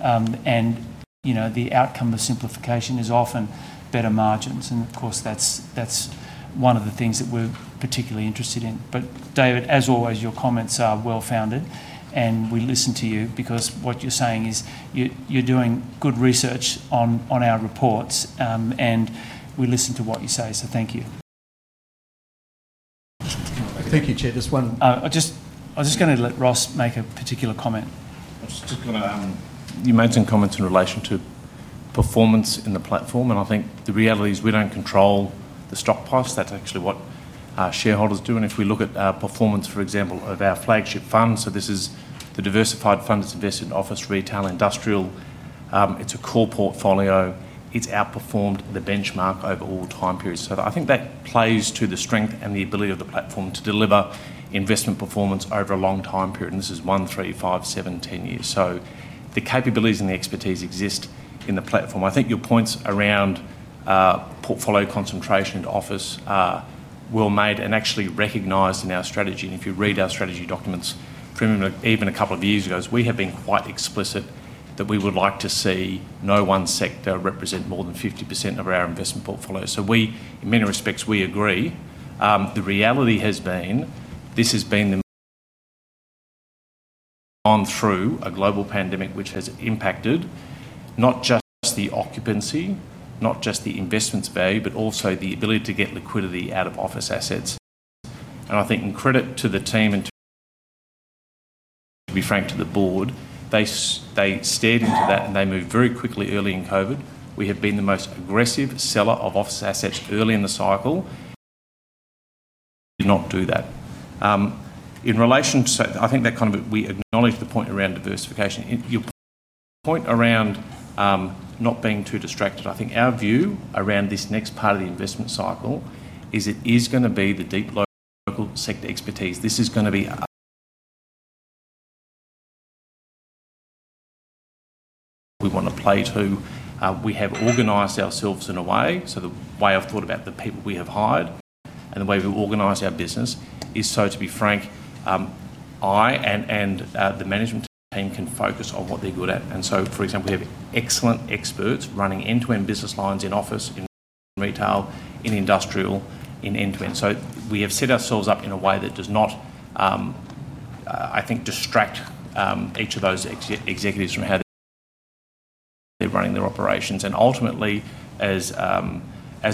The outcome of simplification is often better margins, and of course, that's one of the things that we're particularly interested in. David, as always, your comments are well-founded, and we listen to you because what you're saying is you're doing good research on our reports, and we listen to what you say. Thank you. Thank you, Chair. Just one. I was just going to let Ross make a particular comment. I was just going to, you made some comments in relation to performance in the platform, and I think the reality is we don't control the stock price. That's actually what our shareholders do. If we look at our performance, for example, of our flagship fund, this is the diversified fund that's invested in office, retail, industrial, it's a core portfolio. It's outperformed the benchmark over all time periods. I think that plays to the strength and the ability of the platform to deliver investment performance over a long time period, and this is one, three, five, seven, 10 years. The capabilities and the expertise exist in the platform. I think your points around portfolio concentration and office are well made and actually recognized in our strategy. If you read our strategy documents, even a couple of years ago, we have been quite explicit that we would like to see no one sector represent more than 50% of our investment portfolio. In many respects, we agree. The reality has been this has been on through a global pandemic, which has impacted not just the occupancy, not just the investments value, but also the ability to get liquidity out of office assets. I think in credit to the team and to be frank to the board, they stared into that, and they moved very quickly early in COVID. We have been the most aggressive seller of office assets early in the cycle. We did not do that. In relation to, I think that kind of, we acknowledge the point around diversification. Your point around not being too distracted, I think our view around this next part of the investment cycle is it is going to be the deep local sector expertise. This is going to be what we want to play to. We have organized ourselves in a way. The way I've thought about the people we have hired and the way we've organized our business is so, to be frank, I and the management team can focus on what they're good at. For example, we have excellent experts running end-to-end business lines in office, in retail, in industrial, in end-to-end. We have set ourselves up in a way that does not, I think, distract each of those executives from how they're running their operations. Ultimately, as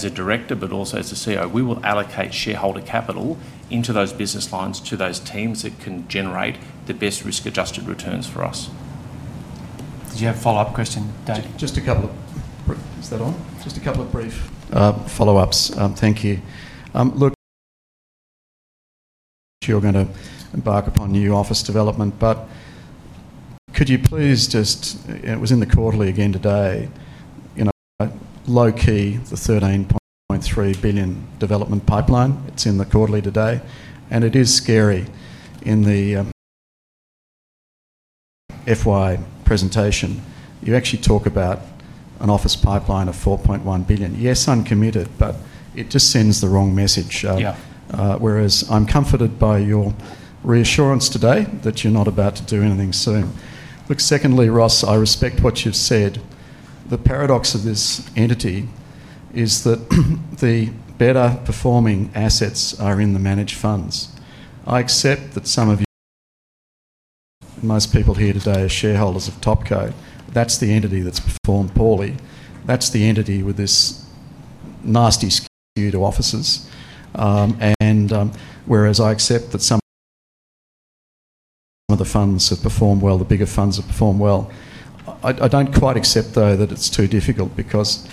a Director, but also as a CEO, we will allocate shareholder capital into those business lines to those teams that can generate the best risk-adjusted returns for us. Did you have a follow-up question, David? Just a couple of brief follow-ups. Thank you. Look, you're going to embark upon new office development, but could you please just, and it was in the quarterly again today, you know, low key, the 13.3 billion development pipeline. It's in the quarterly today, and it is scary. In the FY presentation, you actually talk about an office pipeline of 4.1 billion. Yes, I'm committed, but it just sends the wrong message. Yeah, whereas I'm comforted by your reassurance today that you're not about to do anything soon. Look, secondly, Ross, I respect what you've said. The paradox of this entity is that the better performing assets are in the managed funds. I accept that some of you, most people here today, are shareholders of Topco. That's the entity that's performed poorly. That's the entity with this nasty skew to offices. Whereas I accept that some of the funds have performed well, the bigger funds have performed well. I don't quite accept, though, that it's too difficult because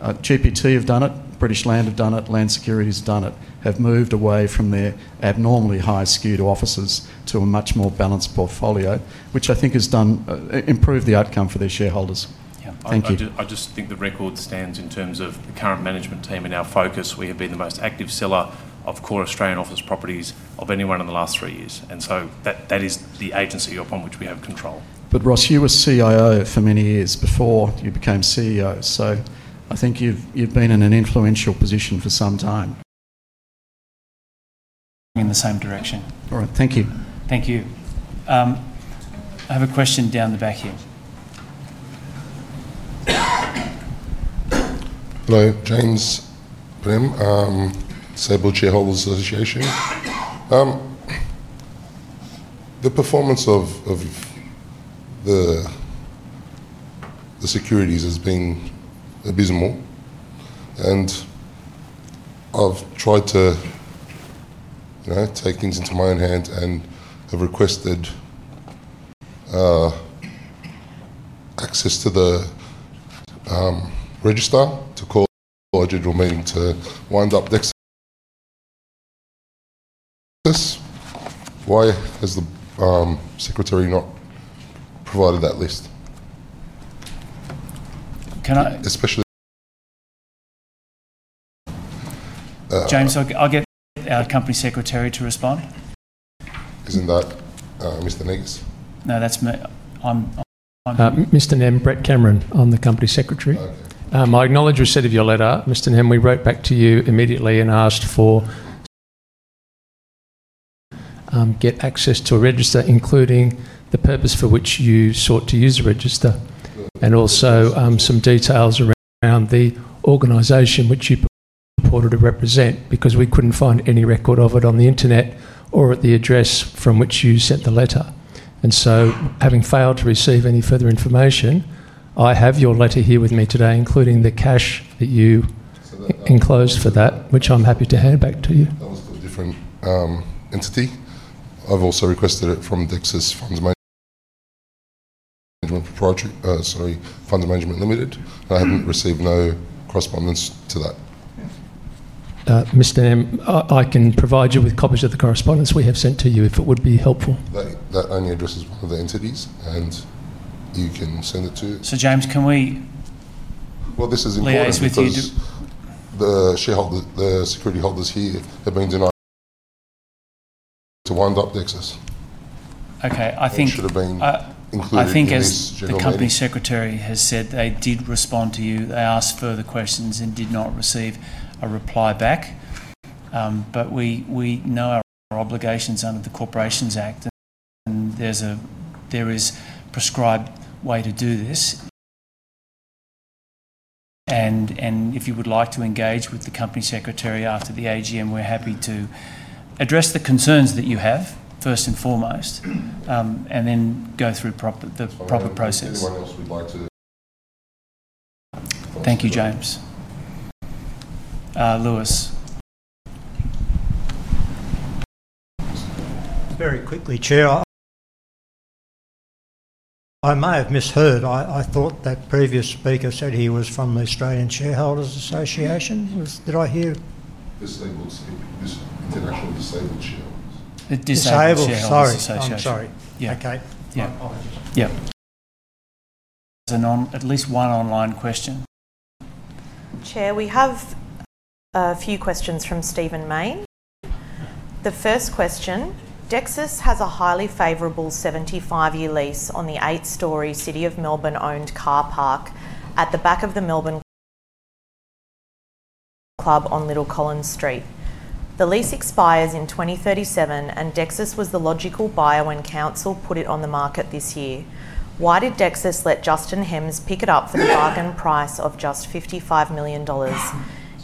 GPT have done it, British Land have done it, Land Security has done it, have moved away from their abnormally high skew to offices to a much more balanced portfolio, which I think has improved the outcome for their shareholders. Yeah. Thank you. I just think the record stands in terms of the current management team and our focus. We have been the most active seller of core Australian office properties of anyone in the last three years, and that is the agency upon which we have control. Ross, you were CIO for many years before you became CEO. I think you've been in an influential position for some time. In the same direction. All right. Thank you. Thank you. I have a question down the back here. Hello, James Nehm, Disabled Shareholders Association. The performance of the securities has been abysmal, and I've tried to take things into my own hands and have requested access to the register to call a judicial meeting to wind up Dexus. Why has the secretary not provided that list? Can I? Especially James, I'll get our Company Secretary to respond. Isn't that Mr. Negus? No, that's Mr. Nehm. Mr. Nehm, Brett Cameron, I'm the Company Secretary. Okay. I acknowledge we said of your letter. Mr. Nehm, we wrote back to you immediately and asked for access to a register, including the purpose for which you sought to use the register and also some details around the organization which you purported to represent because we couldn't find any record of it on the internet or at the address from which you sent the letter. Having failed to receive any further information, I have your letter here with me today, including the cash that you enclosed for that, which I'm happy to hand back to you. That was for a different entity. I've also requested it from Dexus Funds Management Limited. I haven't received no correspondence to that. Mr. Nehm, I can provide you with copies of the correspondence we have sent to you if it would be helpful. That only addresses one of the entities, and you can send it to. James, can we? This is important. Play this with you. The security holders here have been denied to wind up Dexus. Okay, I think. It should have been included in this general letter. I think as the Company Secretary has said, they did respond to you. They asked further questions and did not receive a reply back. We know our obligations under the Corporations Act, and there is a prescribed way to do this. If you would like to engage with the Company Secretary after the AGM, we're happy to address the concerns that you have, first and foremost, and then go through the proper process. Thank you. Thank you, James. Lewis. Very quickly, Chair, I may have misheard. I thought that previous speaker said he was from the Australian Shareholders Association. Did I hear? Disabled shareholders. Sorry. I'm sorry. Yeah. Okay. Yeah. There's at least one online question. Chair, we have a few questions from Stephen Main. The first question, Dexus has a highly favorable 75-year lease on the eight-story City of Melbourne-owned car park at the back of the Melbourne Club on Little Collins Street. The lease expires in 2037, and Dexus was the logical buyer when council put it on the market this year. Why did Dexus let Justin Hems pick it up for the bargain price of just 55 million dollars?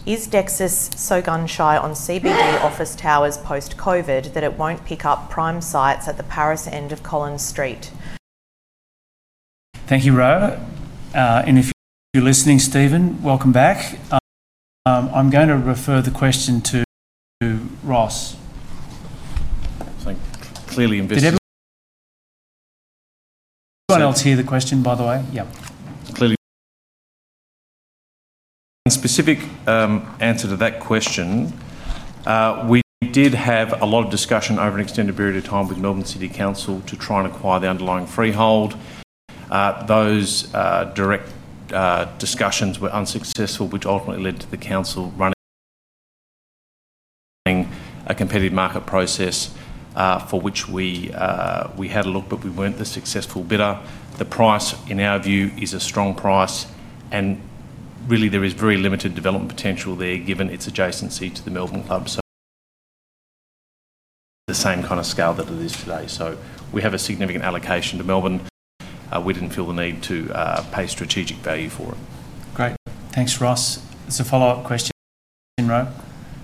Is Dexus so gun-shy on CBD office towers post-COVID that it won't pick up prime sites at the Paris end of Collins Street? Thank you, Rowe. If you're listening, Stephen, welcome back. I'm going to refer the question to Ross. It's clearly. Did everyone else hear the question, by the way? Yeah. Specific answer to that question, we did have a lot of discussion over an extended period of time with Melbourne City Council to try and acquire the underlying freehold. Those direct discussions were unsuccessful, which ultimately led to the council running a competitive market process for which we had a look, but we weren't the successful bidder. The price, in our view, is a strong price, and really, there is very limited development potential there given its adjacency to the Melbourne Club, so the same kind of scale that it is today. We have a significant allocation to Melbourne. We didn't feel the need to pay strategic value for it. Great. Thanks, Ross. It's a follow-up question, Ross.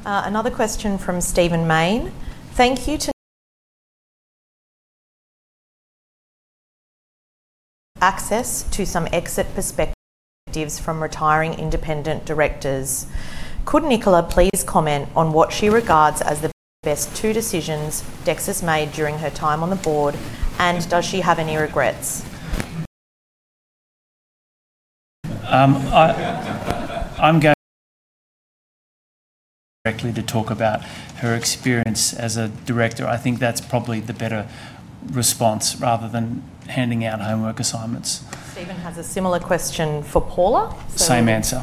Another question from Stephen Main. Thank you for access to some exit perspectives from retiring independent directors. Could Nicola please comment on what she regards as the best two decisions? made during her time on the board, and does she have any regrets? I'm going to directly talk about her experience as a Director. I think that's probably the better response rather than handing out homework assignments. Steven has a similar question for Paula Dwyer. Same answer.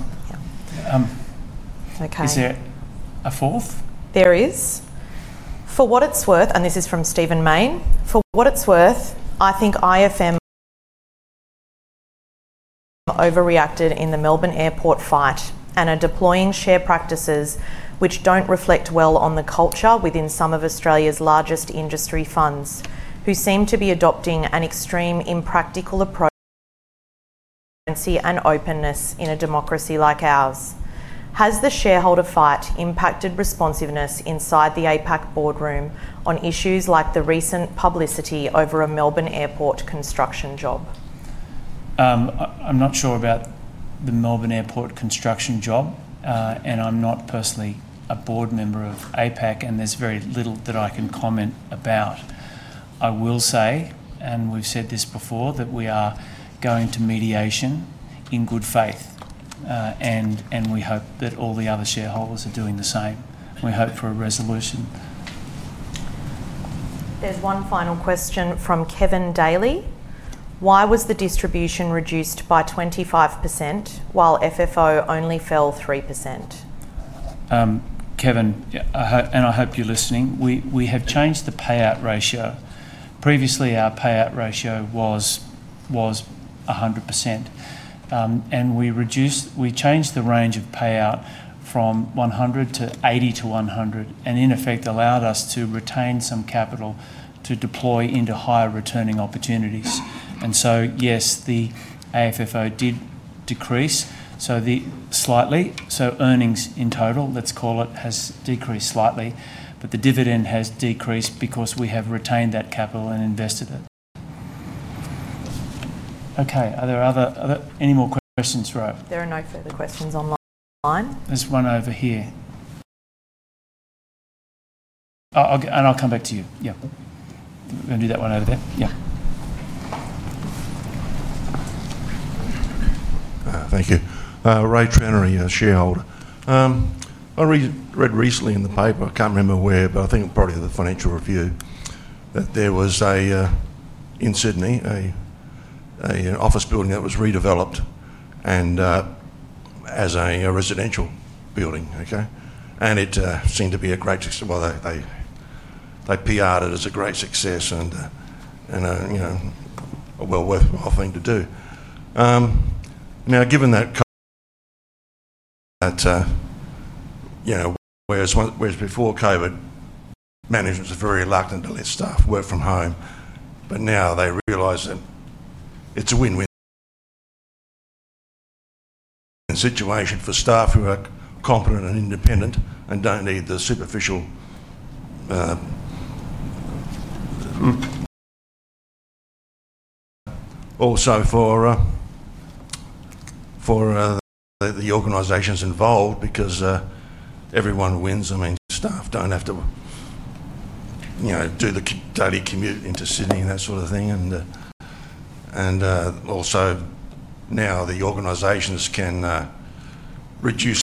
Okay. Is there a fourth? There is. For what it's worth, and this is from Steven Main, for what it's worth, I think IFM overreacted in the Melbourne airport fight and are deploying share practices which don't reflect well on the culture within some of Australia's largest industry funds, who seem to be adopting an extremely impractical approach to transparency and openness in a democracy like ours. Has the shareholder fight impacted responsiveness inside the APAC boardroom on issues like the recent publicity over a Melbourne airport construction job? I'm not sure about the Melbourne airport construction job, and I'm not personally a board member of APAC litigation, and there's very little that I can comment about. I will say, and we've said this before, that we are going to mediation in good faith, and we hope that all the other shareholders are doing the same. We hope for a resolution. There's one final question from Kevin Daly. Why was the distribution reduced by 25% while FFO only fell 3%? Kevin, and I hope you're listening, we have changed the payout ratio. Previously, our payout ratio was 100%, and we changed the range of payout from 100% to 80% to 100%, and in effect, allowed us to retain some capital to deploy into higher returning opportunities. Yes, the FFO did decrease slightly, so earnings in total, let's call it, has decreased slightly, but the dividend has decreased because we have retained that capital and invested it. Okay. Are there any more questions? There are no further questions online. There's one over here. I'll come back to you. We'll do that one over there. Thank you. Ray Trannery, shareholder. I read recently in the paper, I can't remember where, but I think probably the Financial Review, that there was in Sydney an office building that was redeveloped as a residential building, okay? It seemed to be a great success. They PR'd it as a great success and a well-worthwhile thing to do. Given that, whereas before COVID, managers were very reluctant to let staff work from home, now they realize that it's a win-win situation for staff who are competent and independent and don't need the superficial, also for the organizations involved because everyone wins. Staff don't have to do the daily commute into Sydney and that sort of thing. Now the organizations can reduce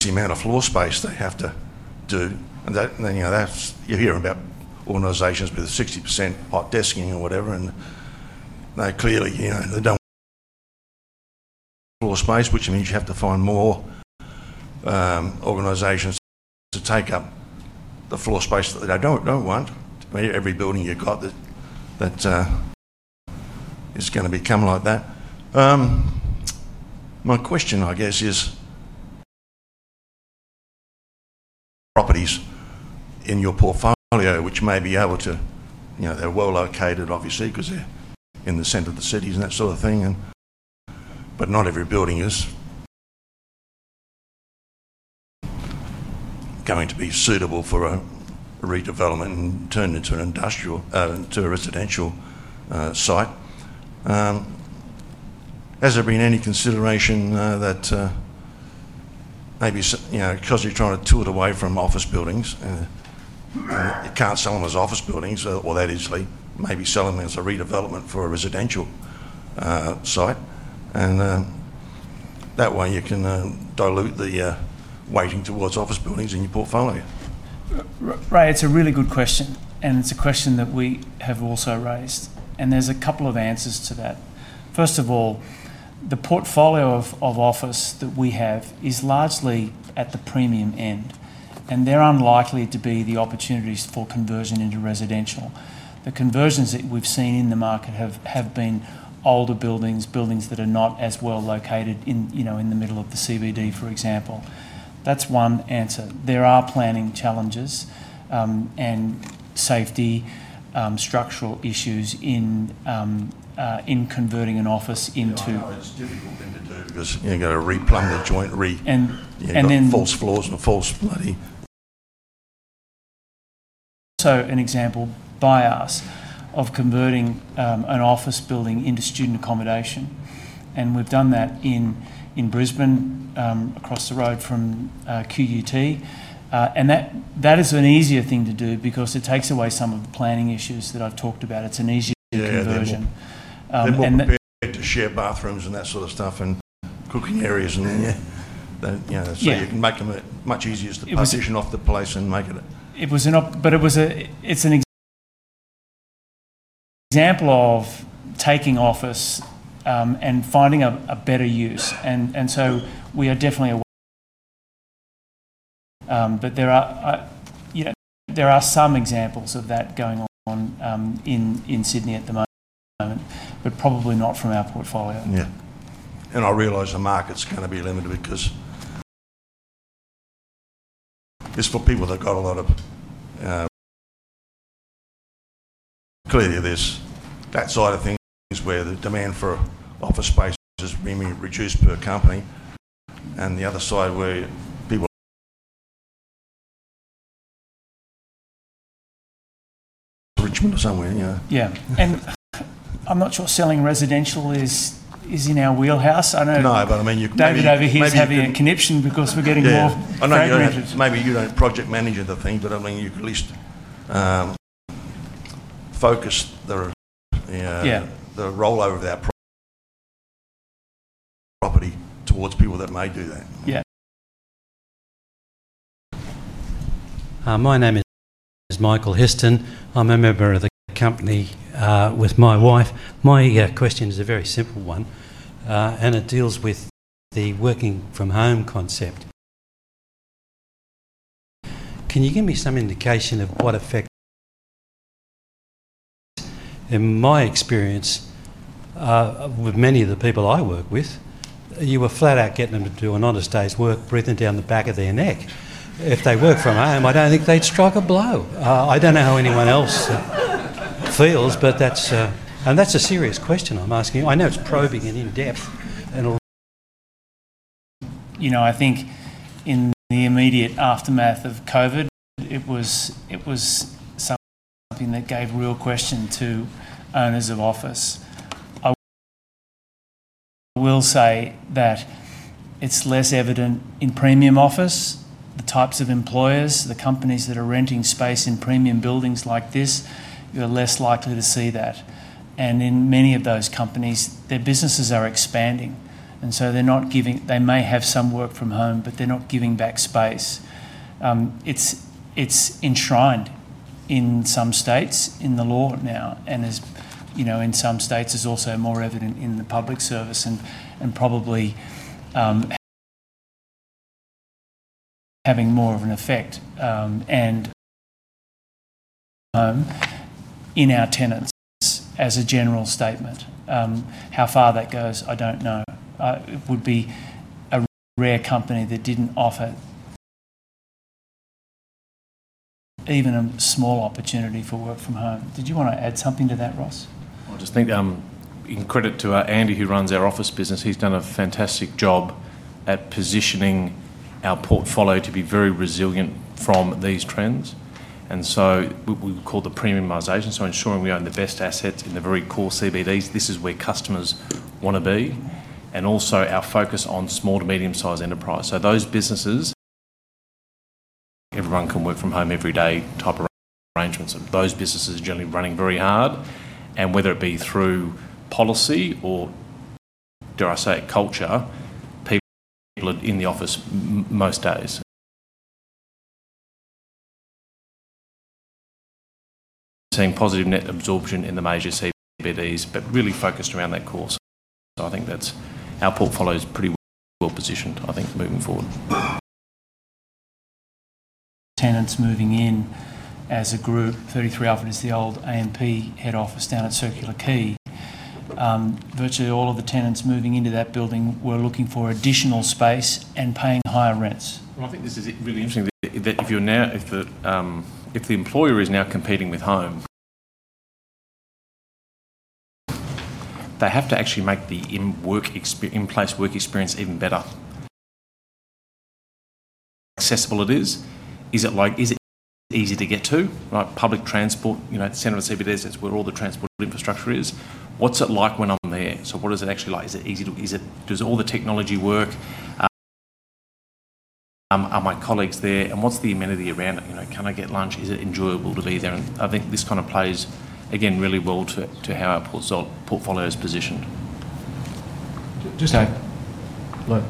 the amount of floor space they have to do. You hear about organizations with 60% hot desking or whatever, and they clearly, you know, they don't want floor space, which means you have to find more organizations to take up the floor space that they don't want. Every building you've got that is going to become like that. My question, I guess, is properties in your portfolio which may be able to, you know, they're well-located, obviously, because they're in the center of the cities and that sort of thing, but not every building is going to be suitable for a redevelopment and turned into an industrial to a residential site. Has there been any consideration that maybe because you're trying to tilt away from office buildings and you can't sell them as office buildings or that easily, maybe sell them as a redevelopment for a residential site? That way, you can dilute the weighting towards office buildings in your portfolio. Ray, it's a really good question, and it's a question that we have also raised. There are a couple of answers to that. First of all, the portfolio of office that we have is largely at the premium end, and there are unlikely to be the opportunities for conversion into residential. The conversions that we've seen in the market have been older buildings, buildings that are not as well-located in the middle of the CBD, for example. That's one answer. There are planning challenges and safety, structural issues in converting an office into. It's a difficult thing to do because you've got to replumb the joint and re. And then. False floors and false bloody. An example by us of converting an office building into student accommodation is one we've done in Brisbane across the road from QUT. That is an easier thing to do because it takes away some of the planning issues that I've talked about. It's an easier conversion. We've created shared bathrooms and that sort of stuff and cooking areas, and then you can make them much easier to position off the place and make it. It's an example of taking office and finding a better use. We are definitely aware of that. There are some examples of that going on in Sydney at the moment, probably not from our portfolio. Yeah, I realize the market's going to be limited because it's for people that got a lot of, clearly, that side of things where the demand for office space is really reduced per company, and the other side where people in Richmond or somewhere, you know. I'm not sure selling residential is in our wheelhouse. I know. No, I mean you could list. Maybe over here you have a connection because we're getting more managers. Yeah. I know you don't, maybe you don't project manage the thing, but I mean you could list focus the rollout of our property towards people that may do that. Yeah. My name is Michael Histon. I'm a member of the company with my wife. My question is a very simple one, and it deals with the working-from-home concept. Can you give me some indication of what effect, in my experience with many of the people I work with, you were flat out getting them to do an honest day's work, breathing down the back of their neck. If they work from home, I don't think they'd strike a blow. I don't know how anyone else feels, but that's a serious question I'm asking. I know it's probing and in-depth. You know, I think in the immediate aftermath of COVID, it was something that gave real question to owners of office. I will say that it's less evident in premium office. The types of employers, the companies that are renting space in premium buildings like this, you're less likely to see that. In many of those companies, their businesses are expanding, and so they may have some work from home, but they're not giving back space. It's enshrined in some states in the law now, and as you know, in some states it is also more evident in the public service and probably having more of an effect. In our tenants, as a general statement, how far that goes, I don't know. It would be a rare company that didn't offer even a small opportunity for work from home. Did you want to add something to that, Ross? I think in credit to Andy, who runs our office business, he's done a fantastic job at positioning our portfolio to be very resilient from these trends. We would call it the premiumization, ensuring we own the best assets in the very core CBDs. This is where customers want to be. Also, our focus on small to medium-sized enterprise. Those businesses, everyone can work from home every day type of arrangements. Those businesses are generally running very hard. Whether it be through policy or, dare I say it, culture, people are in the office most days. Seeing positive net absorption in the major CBDs, but really focused around that core. I think that our portfolio is pretty well positioned, I think, moving forward. Tenants moving in as a group. 33 Alfred is the old AMP Capital head office down at Circular Quay. Virtually all of the tenants moving into that building were looking for additional space and paying higher rents. I think this is really interesting that if you're now, if the employer is now competing with home, they have to actually make the in-place work experience even better. Is it accessible, is it easy to get to, like public transport, you know, the center of the CBDs, that's where all the transport infrastructure is? What's it like when I'm there? What is it actually like? Is it easy to, does all the technology work? Are my colleagues there? What's the amenity around it? You know, can I get lunch? Is it enjoyable to be there? I think this kind of plays, again, really well to how our portfolio is positioned. Just. Hello. Hello.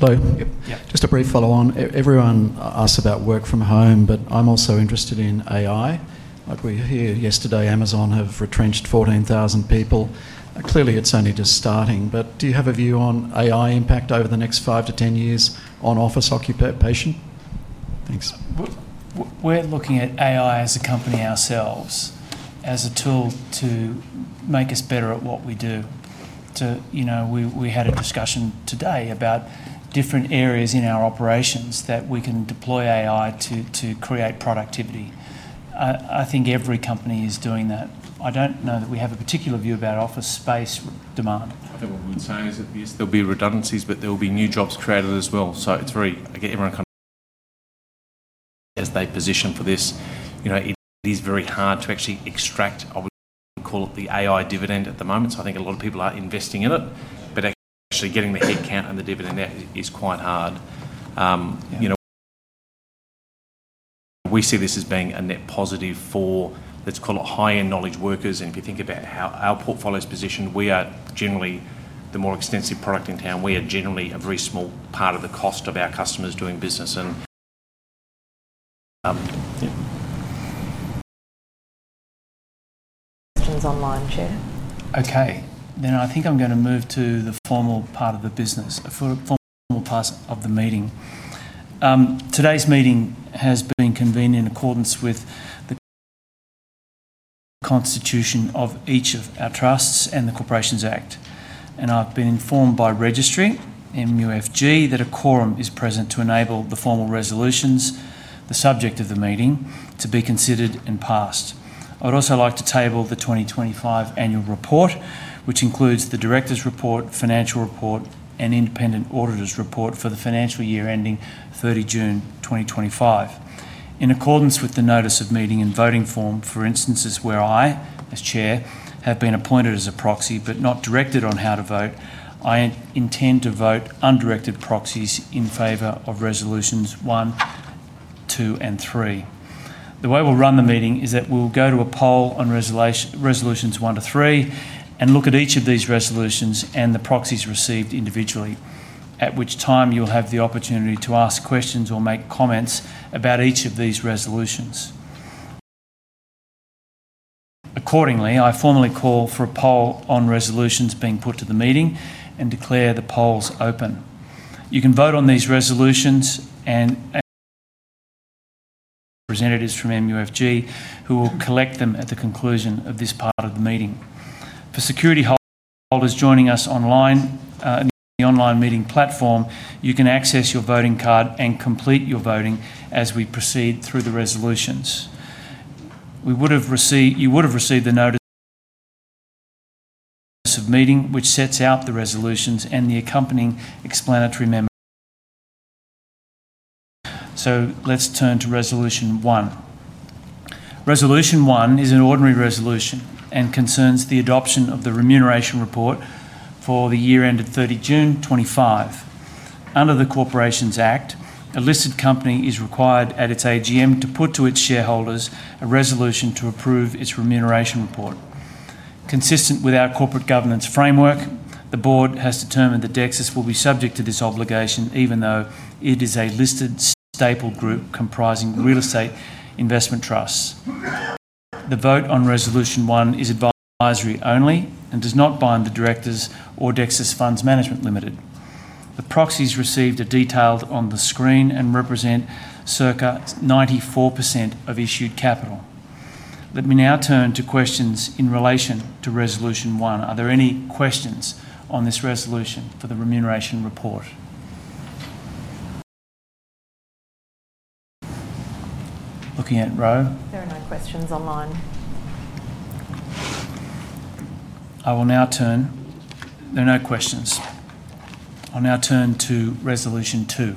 Yeah. Just a brief follow-on. Everyone asks about work from home, but I'm also interested in AI. Like we hear yesterday, Amazon have retrenched 14,000 people. Clearly, it's only just starting, but do you have a view on AI impact over the next five to 10 years on office occupation? Thanks. We're looking at AI as a company ourselves as a tool to make us better at what we do. We had a discussion today about different areas in our operations that we can deploy AI to create productivity. I think every company is doing that. I don't know that we have a particular view about office space demand. I think what we would say is that yes, there'll be redundancies, but there'll be new jobs created as well. It's very, I get everyone kind of as they position for this. It is very hard to actually extract, I would call it the AI dividend at the moment. I think a lot of people are investing in it, but actually getting the headcount and the dividend is quite hard. We see this as being a net positive for, let's call it, higher knowledge workers. If you think about how our portfolio is positioned, we are generally the more extensive product in town. We are generally a very small part of the cost of our customers doing business. Questions online, check. Okay. I think I'm going to move to the formal part of the business, the formal part of the meeting. Today's meeting has been convened in accordance with the constitution of each of our trusts and the Corporations Act. I've been informed by Registry, MUFG, that a quorum is present to enable the formal resolutions, the subject of the meeting, to be considered and passed. I would also like to table the 2025 annual report, which includes the director's report, financial report, and independent auditor's report for the financial year ending 30 June 2025. In accordance with the notice of meeting and voting form, for instances where I, as Chair, have been appointed as a proxy, but not directed on how to vote, I intend to vote undirected proxies in favor of resolutions one, two, and three. The way we'll run the meeting is that we'll go to a poll on resolutions one to three and look at each of these resolutions and the proxies received individually, at which time you'll have the opportunity to ask questions or make comments about each of these resolutions. Accordingly, I formally call for a poll on resolutions being put to the meeting and declare the polls open. You can vote on these resolutions and representatives from MUFG will collect them at the conclusion of this part of the meeting. For security holders joining us online in the online meeting platform, you can access your voting card and complete your voting as we proceed through the resolutions. You would have received the notice of meeting, which sets out the resolutions and the accompanying explanatory memo. Let's turn to resolution one. Resolution one is an ordinary resolution and concerns the adoption of the remuneration report for the year ended 30 June 2025. Under the Corporations Act, a listed company is required at its AGM to put to its shareholders a resolution to approve its remuneration report. Consistent with our corporate governance framework, the board has determined that Dexus will be subject to this obligation even though it is a listed staple group comprising real estate investment trusts. The vote on resolution one is advisory only and does not bind the directors or Dexus Funds Management Limited. The proxies received are detailed on the screen and represent circa 94% of issued capital. Let me now turn to questions in relation to resolution one. Are there any questions on this resolution for the remuneration report? Looking at it, Ro. There are no questions online. There are no questions. I'll now turn to resolution two.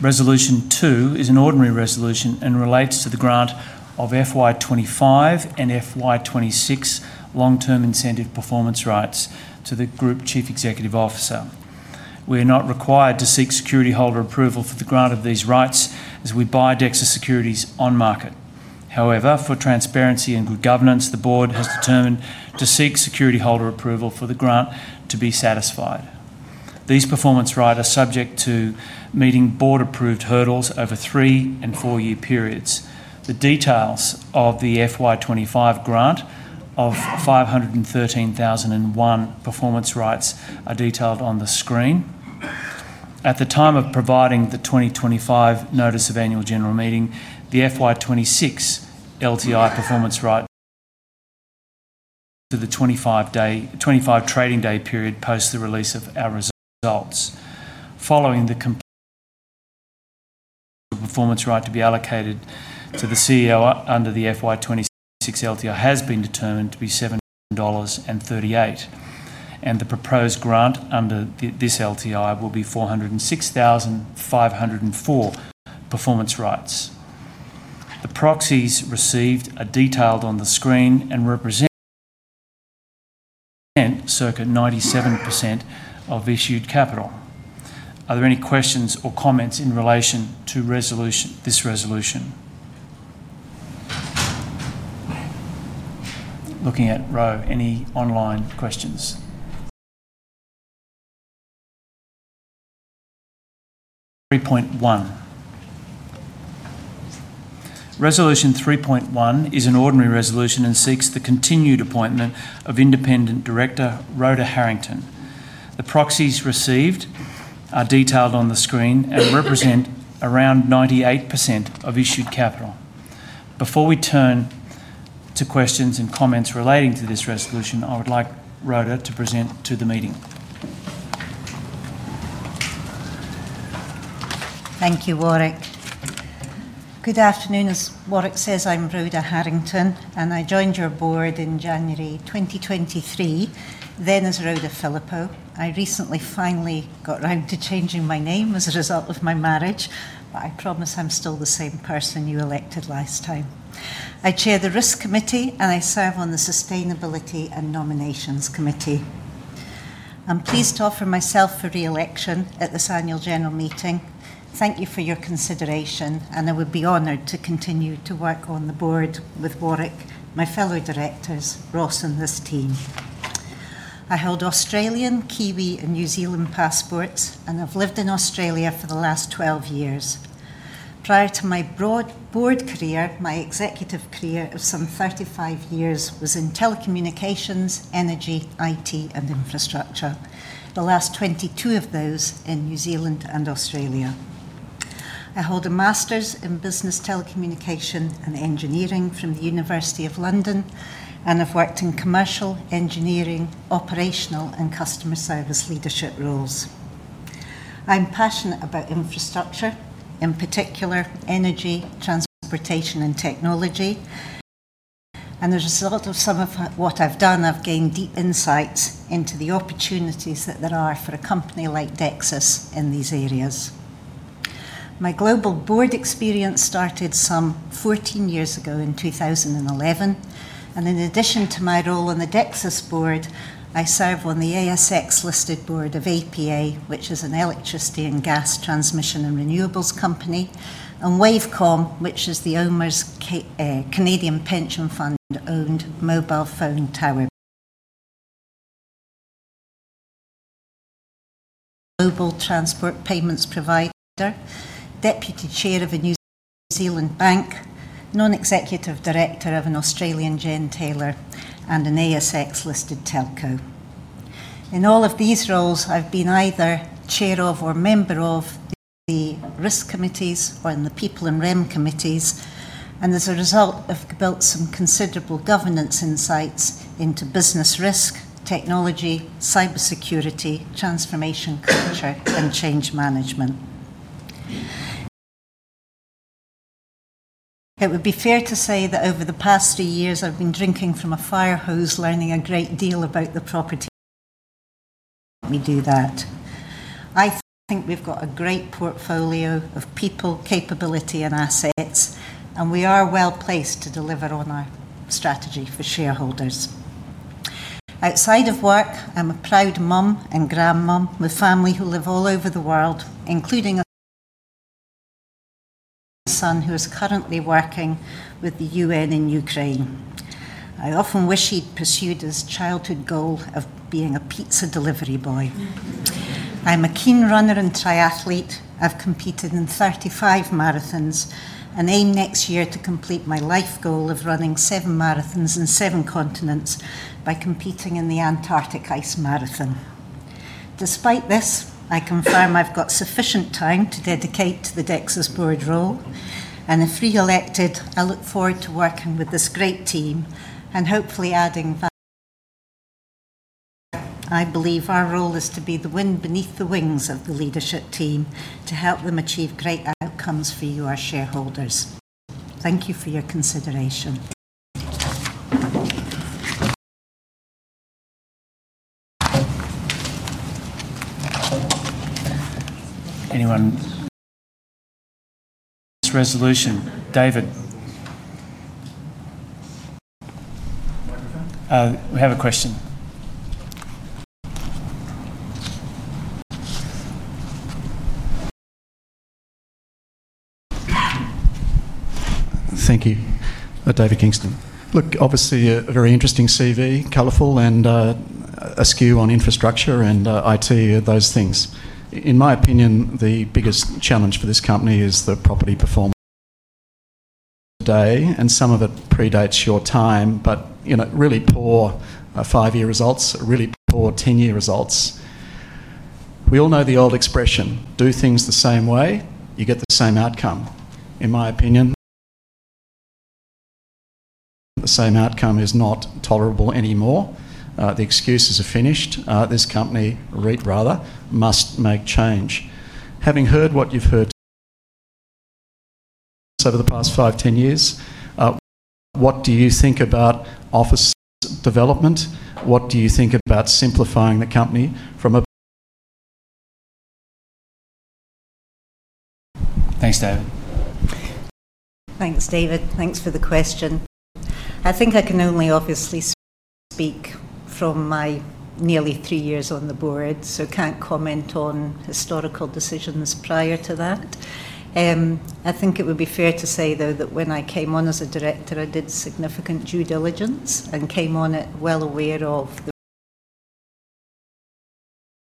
Resolution two is an ordinary resolution and relates to the grant of FY 2025 and FY 2026 long-term incentive performance rights to the Group Chief Executive Officer. We are not required to seek security holder approval for the grant of these rights as we buy Dexus securities on market. However, for transparency and good governance, the board has determined to seek security holder approval for the grant to be satisfied. These performance rights are subject to meeting board-approved hurdles over three and four-year periods. The details of the FY 2025 grant of 513,001 performance rights are detailed on the screen. At the time of providing the 2025 notice of annual general meeting, the FY 2026 LTI performance right to the 25-day trading day period post the release of our results. Following the performance right to be allocated to the CEO under the FY 2026 LTI has been determined to be 7.38 dollars. The proposed grant under this LTI will be 406,504 performance rights. The proxies received are detailed on the screen and represent circa 97% of issued capital. Are there any questions or comments in relation to this resolution? Looking at Ro, any online questions? 3.1. Resolution 3.1 is an ordinary resolution and seeks the continued appointment of independent director Rhoda Harrington. The proxies received are detailed on the screen and represent around 98% of issued capital. Before we turn to questions and comments relating to this resolution, I would like Rhoda to present to the meeting. Thank you, Warwick. Good afternoon. As Warwick says, I'm Rhoda Harrington, and I joined your board in January 2023, then as Rhoda Phillippo. I recently finally got round to changing my name as a result of my marriage, but I promise I'm still the same person you elected last time. I chair the Risk Committee, and I serve on the Sustainability and Nominations Committee. I'm pleased to offer myself for reelection at this annual general meeting. Thank you for your consideration, and I would be honored to continue to work on the board with Warwick, my fellow directors, Ross, and this team. I hold Australian, Kiwi, and New Zealand passports, and I've lived in Australia for the last 12 years. Prior to my broad board career, my executive career of some 35 years was in telecommunications, energy, IT, and infrastructure, the last 22 of those in New Zealand and Australia. I hold a master's in business telecommunication and engineering from the University of London, and I've worked in commercial, engineering, operational, and customer service leadership roles. I'm passionate about infrastructure, in particular, energy, transportation, and technology. As a result of some of what I've done, I've gained deep insights into the opportunities that there are for a company like Dexus in these areas. My global board experience started some 14 years ago in 2011. In addition to my role on the Dexus board, I serve on the ASX listed board of APA, which is an electricity and gas transmission and renewables company, and Wavecom, which is the owners of Canadian Pension Fund-owned mobile phone tower, mobile transport payments provider, deputy chair of a New Zealand bank, non-executive director of an Australian Gentailer, and an ASX listed telco. In all of these roles, I've been either chair of or member of the risk committees or in the people and rem committees. As a result, I've built some considerable governance insights into business risk, technology, cybersecurity, transformation culture, and change management. It would be fair to say that over the past three years, I've been drinking from a firehose, learning a great deal about the property. I think we've got a great portfolio of people, capability, and assets, and we are well placed to deliver on our strategy for shareholders. Outside of work, I'm a proud mom and grandmom with family who live all over the world, including a son who is currently working with the UN in Ukraine. I often wish he'd pursued his childhood goal of being a pizza delivery boy. I'm a keen runner and triathlete. I've competed in 35 marathons and aim next year to complete my life goal of running seven marathons in seven continents by competing in the Antarctic Ice Marathon. Despite this, I confirm I've got sufficient time to dedicate to the Dexus board role. If reelected, I look forward to working with this great team and hopefully adding value. I believe our role is to be the wind beneath the wings of the leadership team to help them achieve great outcomes for you, our shareholders. Thank you for your consideration. Anyone? Resolution, David. We have a question. Thank you. David Kingston. Obviously, a very interesting CV, colorful, and a skew on infrastructure and IT, those things. In my opinion, the biggest challenge for this company is the property performance today, and some of it predates your time, but you know, really poor five-year results, really poor 10-year results. We all know the old expression, do things the same way, you get the same outcome. In my opinion, the same outcome is not tolerable anymore. The excuses are finished. This company, REIT rather, must make change. Having heard what you've heard over the past five, 10 years, what do you think about office development? What do you think about simplifying the company from a? Thanks, David. Thanks, David. Thanks for the question. I think I can only obviously speak from my nearly three years on the board, so can't comment on historical decisions prior to that. I think it would be fair to say, though, that when I came on as a Director, I did significant due diligence and came on it well aware of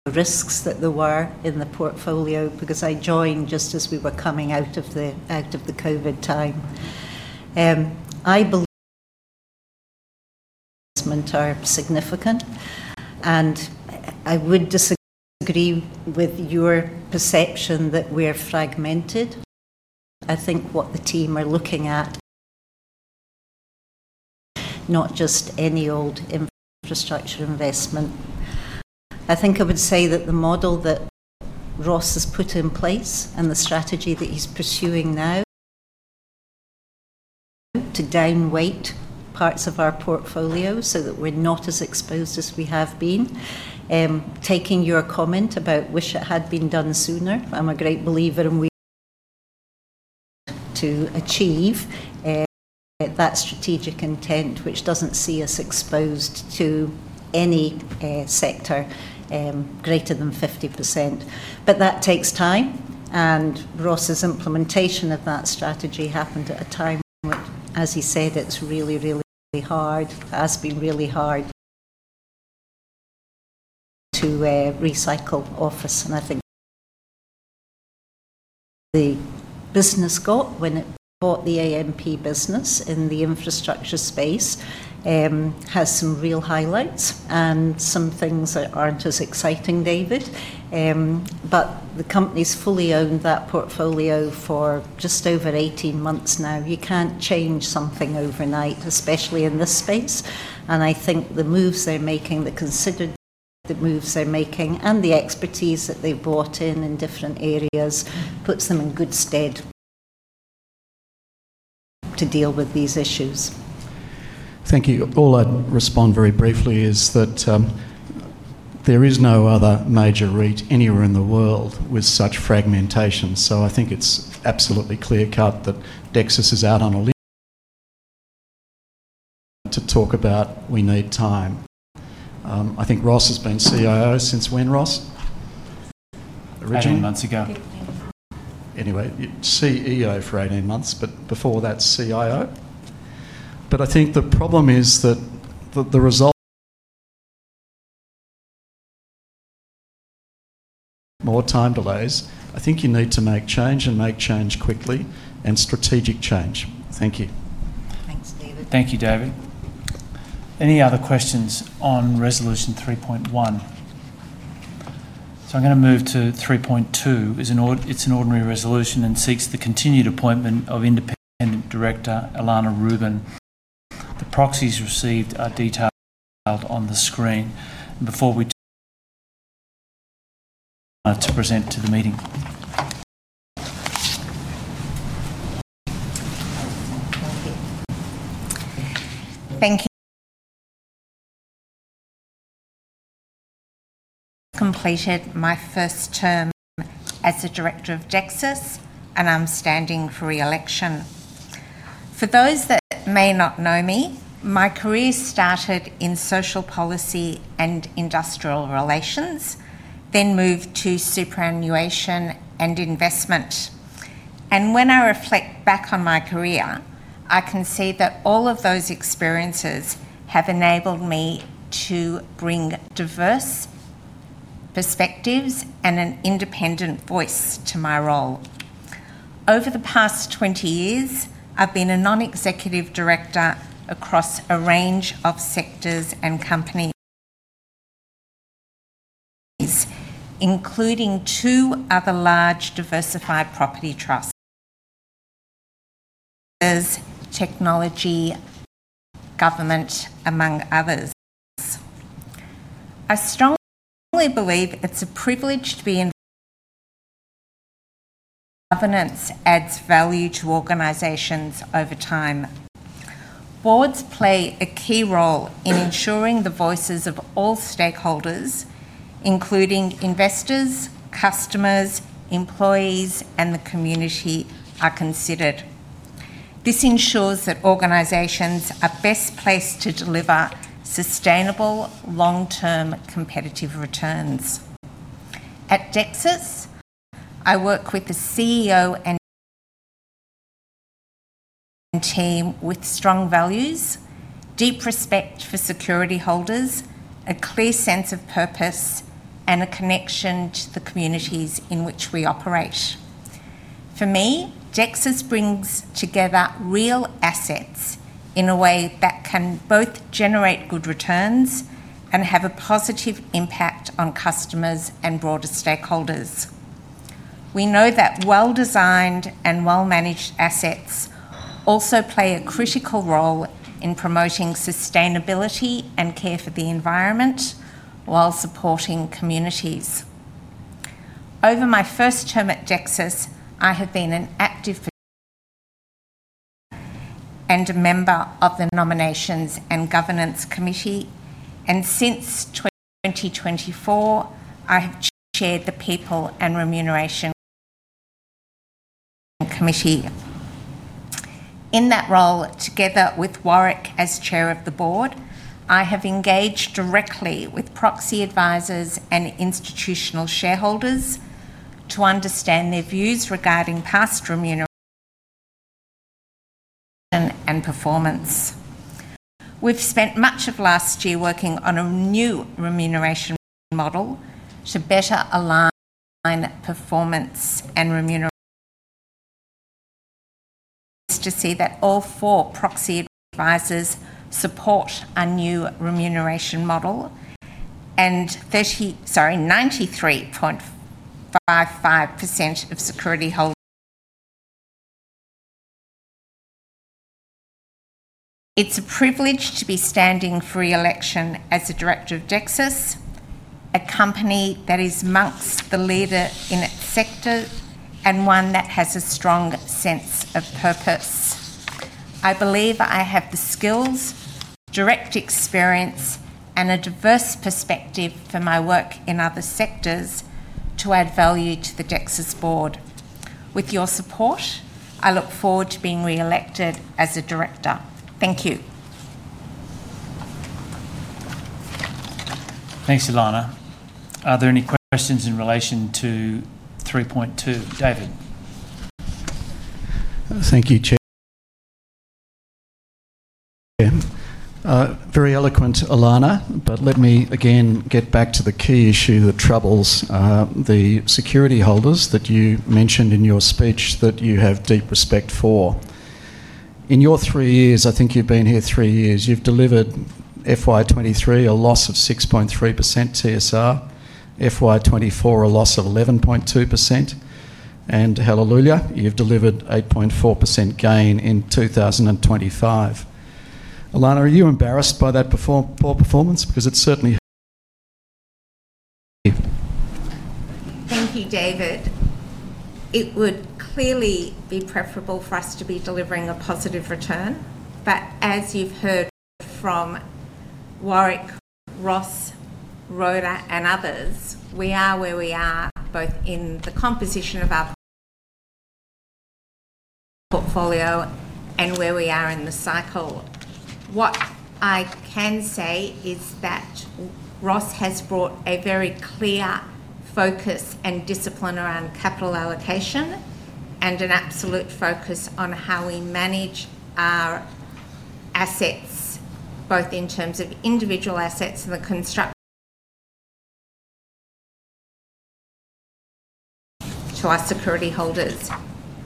the risks that there were in the portfolio because I joined just as we were coming out of the COVID time. I believe our significant and I would disagree with your perception that we're fragmented. I think what the team are looking at, not just any old infrastructure investment. I think I would say that the model that Ross has put in place and the strategy that he's pursuing now to downweight parts of our portfolio so that we're not as exposed as we have been. Taking your comment about wish it had been done sooner, I'm a great believer in to achieve that strategic intent, which doesn't see us exposed to any sector greater than 50%. That takes time, and Ross's implementation of that strategy happened at a time when, as he said, it's really, really hard, has been really hard to recycle office. I think the business got when it bought the AMP Capital business in the infrastructure space has some real highlights and some things that aren't as exciting, David. The company's fully owned that portfolio for just over 18 months now. You can't change something overnight, especially in this space. I think the moves they're making, the considered the moves they're making, and the expertise that they've brought in in different areas puts them in good stead to deal with these issues. Thank you. All I'd respond very briefly is that there is no other major REIT anywhere in the world with such fragmentation. I think it's absolutely clear-cut that Dexus is out on a to talk about we need time. I think Ross has been CIO since when, Ross? 18 months ago. Anyway, CEO for 18 months, but before that, CIO. I think the problem is that the result is more time delays. I think you need to make change and make change quickly and strategic change. Thank you. Thanks, David. Thank you, David. Any other questions on resolution 3.1? I'm going to move to 3.2. It's an ordinary resolution and seeks the continued appointment of Independent Director Elana Rubin. The proxies received are detailed on the screen before we present to the meeting. Thank you. Completed my first term as the director of Dexus, and I'm standing for reelection. For those that may not know me, my career started in social policy and industrial relations, then moved to superannuation and investment. When I reflect back on my career, I can see that all of those experiences have enabled me to bring diverse perspectives and an independent voice to my role. Over the past 20 years, I've been a non-executive director across a range of sectors and companies, including two other large diversified property trusts, technology, government, among others. I strongly believe it's a privilege to be in governance and that it adds value to organizations over time. Boards play a key role in ensuring the voices of all stakeholders, including investors, customers, employees, and the community, are considered. This ensures that organizations are best placed to deliver sustainable, long-term competitive returns. At Dexus, I work with the CEO and team with strong values, deep respect for security holders, a clear sense of purpose, and a connection to the communities in which we operate. For me, Dexus brings together real assets in a way that can both generate good returns and have a positive impact on customers and broader stakeholders. We know that well-designed and well-managed assets also play a critical role in promoting sustainability and care for the environment while supporting communities. Over my first term at Dexus, I have been an active member of the nominations and governance committee. Since 2024, I have chaired the people and remuneration committee. In that role, together with Warwick as Chair of the Board, I have engaged directly with proxy advisors and institutional shareholders to understand their views regarding past remuneration and performance. We've spent much of last year working on a new remuneration model to better align performance and remuneration. It's good to see that all four proxy advisors support our new remuneration model, and 93.55% of security holders. It's a privilege to be standing for reelection as a director of Dexus, a company that is amongst the leaders in its sector and one that has a strong sense of purpose. I believe I have the skills, direct experience, and a diverse perspective from my work in other sectors to add value to the Dexus board. With your support, I look forward to being reelected as a director. Thank you. Thanks, Elana. Are there any questions in relation to 3.2? David. Thank you, Chair. Very eloquent, Elana, but let me again get back to the key issue that troubles the security holders that you mentioned in your speech that you have deep respect for. In your three years, I think you've been here three years, you've delivered FY 2023 a loss of 6.3% TSR, FY 2024 a loss of 11.2%, and hallelujah, you've delivered 8.4% gain in 2025. Elana, are you embarrassed by that poor performance? Because it certainly. Thank you, David. It would clearly be preferable for us to be delivering a positive return. As you've heard from Warwick, Ross, Rhoda, and others, we are where we are both in the composition of our portfolio and where we are in the cycle. What I can say is that Ross has brought a very clear focus and discipline around capital allocation and an absolute focus on how we manage our assets, both in terms of individual assets and the construction to our security holders.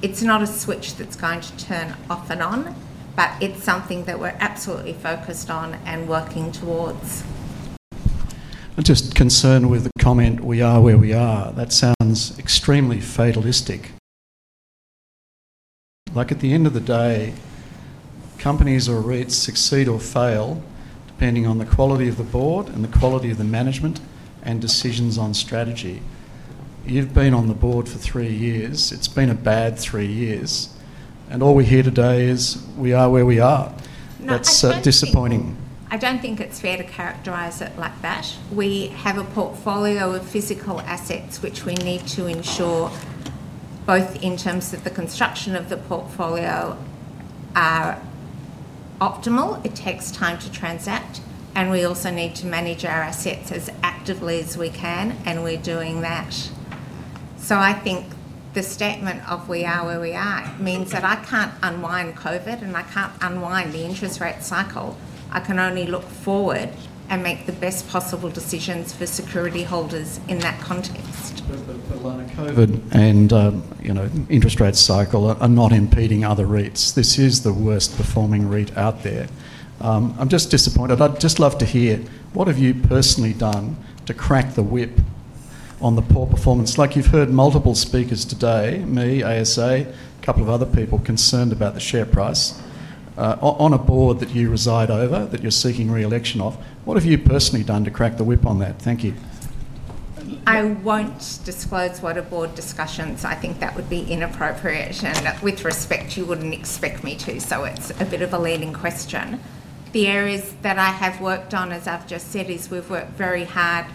It's not a switch that's going to turn off and on, but it's something that we're absolutely focused on and working towards. I'm just concerned with the comment, "We are where we are." That sounds extremely fatalistic. At the end of the day, companies or REITs succeed or fail depending on the quality of the board and the quality of the management and decisions on strategy. You've been on the board for three years. It's been a bad three years, and all we hear today is, "We are where we are." That's disappointing. I don't think it's fair to characterize it like that. We have a portfolio of physical assets which we need to ensure, both in terms of the construction of the portfolio, are optimal. It takes time to transact. We also need to manage our assets as actively as we can, and we're doing that. I think the statement of, "We are where we are," means that I can't unwind COVID and I can't unwind the interest rate cycle. I can only look forward and make the best possible decisions for security holders in that context. Elana, COVID and you know interest rate cycle are not impeding other REITs. This is the worst performing REIT out there. I'm just disappointed. I'd just love to hear what have you personally done to crack the whip on the poor performance? Like you've heard multiple speakers today, me, ASA, a couple of other people concerned about the share price on a board that you reside over that you're seeking reelection of. What have you personally done to crack the whip on that? Thank you. I won't disclose what a board discusses. I think that would be inappropriate and, with respect, you wouldn't expect me to. It's a bit of a leading question. The areas that I have worked on, as I've just said, is we've worked very hard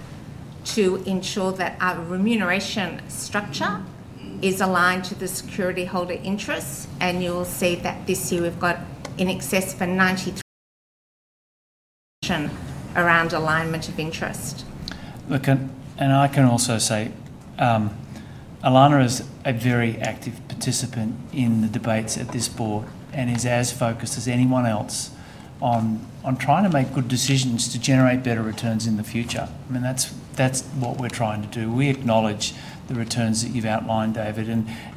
to ensure that our remuneration structure is aligned to the security holder interests. You will see that this year we've got in excess of 93% around alignment of interest. I can also say Elana is a very active participant in the debates at this board and is as focused as anyone else on trying to make good decisions to generate better returns in the future. That is what we're trying to do. We acknowledge the returns that you've outlined, David,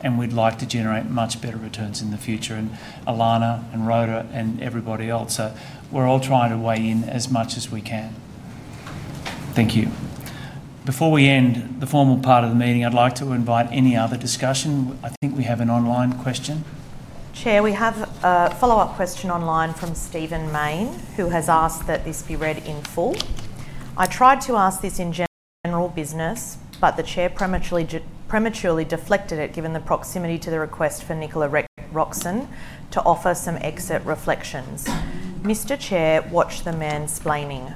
and we'd like to generate much better returns in the future. Elana and Rhoda and everybody else, we're all trying to weigh in as much as we can. Thank you. Before we end the formal part of the meeting, I'd like to invite any other discussion. I think we have an online question. Chair, we have a follow-up question online from Steven Main, who has asked that this be read in full. I tried to ask this in general business, but the Chair prematurely deflected it given the proximity to the request for Nicola Roxon to offer some exit reflections. Mr. Chair, watch the man's blaming.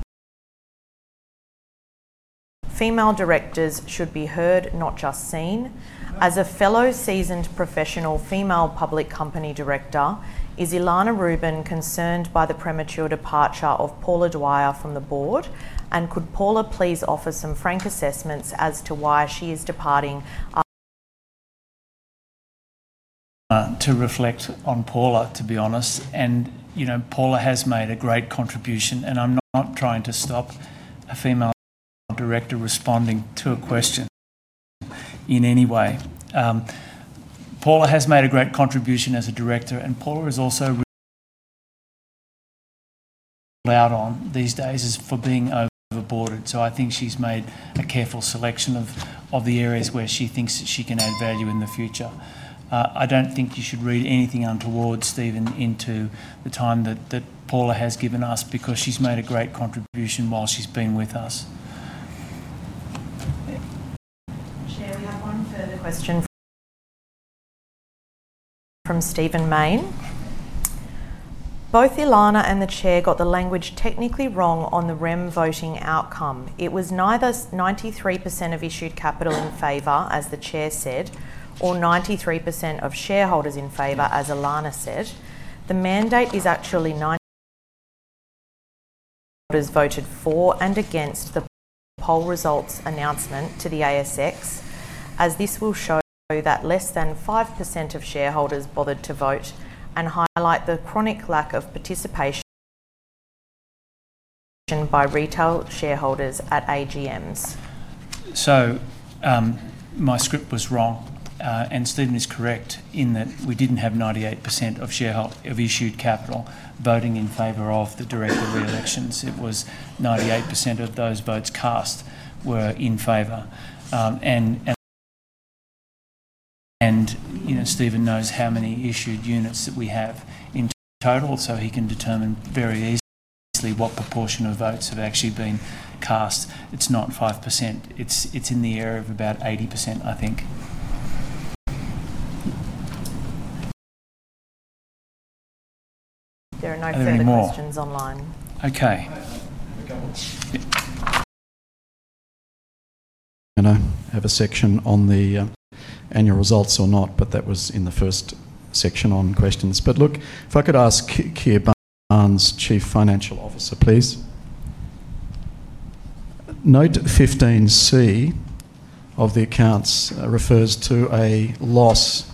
Female directors should be heard, not just seen. As a fellow seasoned professional female public company director, is Elana Rubin concerned by the premature departure of Paula Dwyer from the board? Could Paula please offer some frank assessments as to why she is departing? To reflect on Paula, to be honest, Paula has made a great contribution, and I'm not trying to stop a female director responding to a question in any way. Paula has made a great contribution as a director, and Paula is also out on these days for being overboarded. I think she's made a careful selection of the areas where she thinks that she can add value in the future. I don't think you should read anything untoward, Steven, into the time that Paula has given us because she's made a great contribution while she's been with us. Chair, we have one further question from Steven Main. Both Elana and the Chair got the language technically wrong on the REM voting outcome. It was neither 93% of issued capital in favor, as the Chair said, or 93% of shareholders in favor, as Elana said. The mandate is actually voted for and against the poll results announcement to the ASX, as this will show that less than 5% of shareholders bothered to vote and highlight the chronic lack of participation by retail shareholders at AGMs. My script was wrong. Steven is correct in that we didn't have 98% of issued capital voting in favor of the director reelections. It was 98% of those votes cast were in favor. Steven knows how many issued units that we have in total, so he can determine very easily what proportion of votes have actually been cast. It's not 5%. It's in the area of about 80%, I think. There are no further questions online. Anymore. Okay. I have a section on the annual results or not, that was in the first section on questions. If I could ask Keir Barnes, Chief Financial Officer, please. Note 15C of the accounts refers to a loss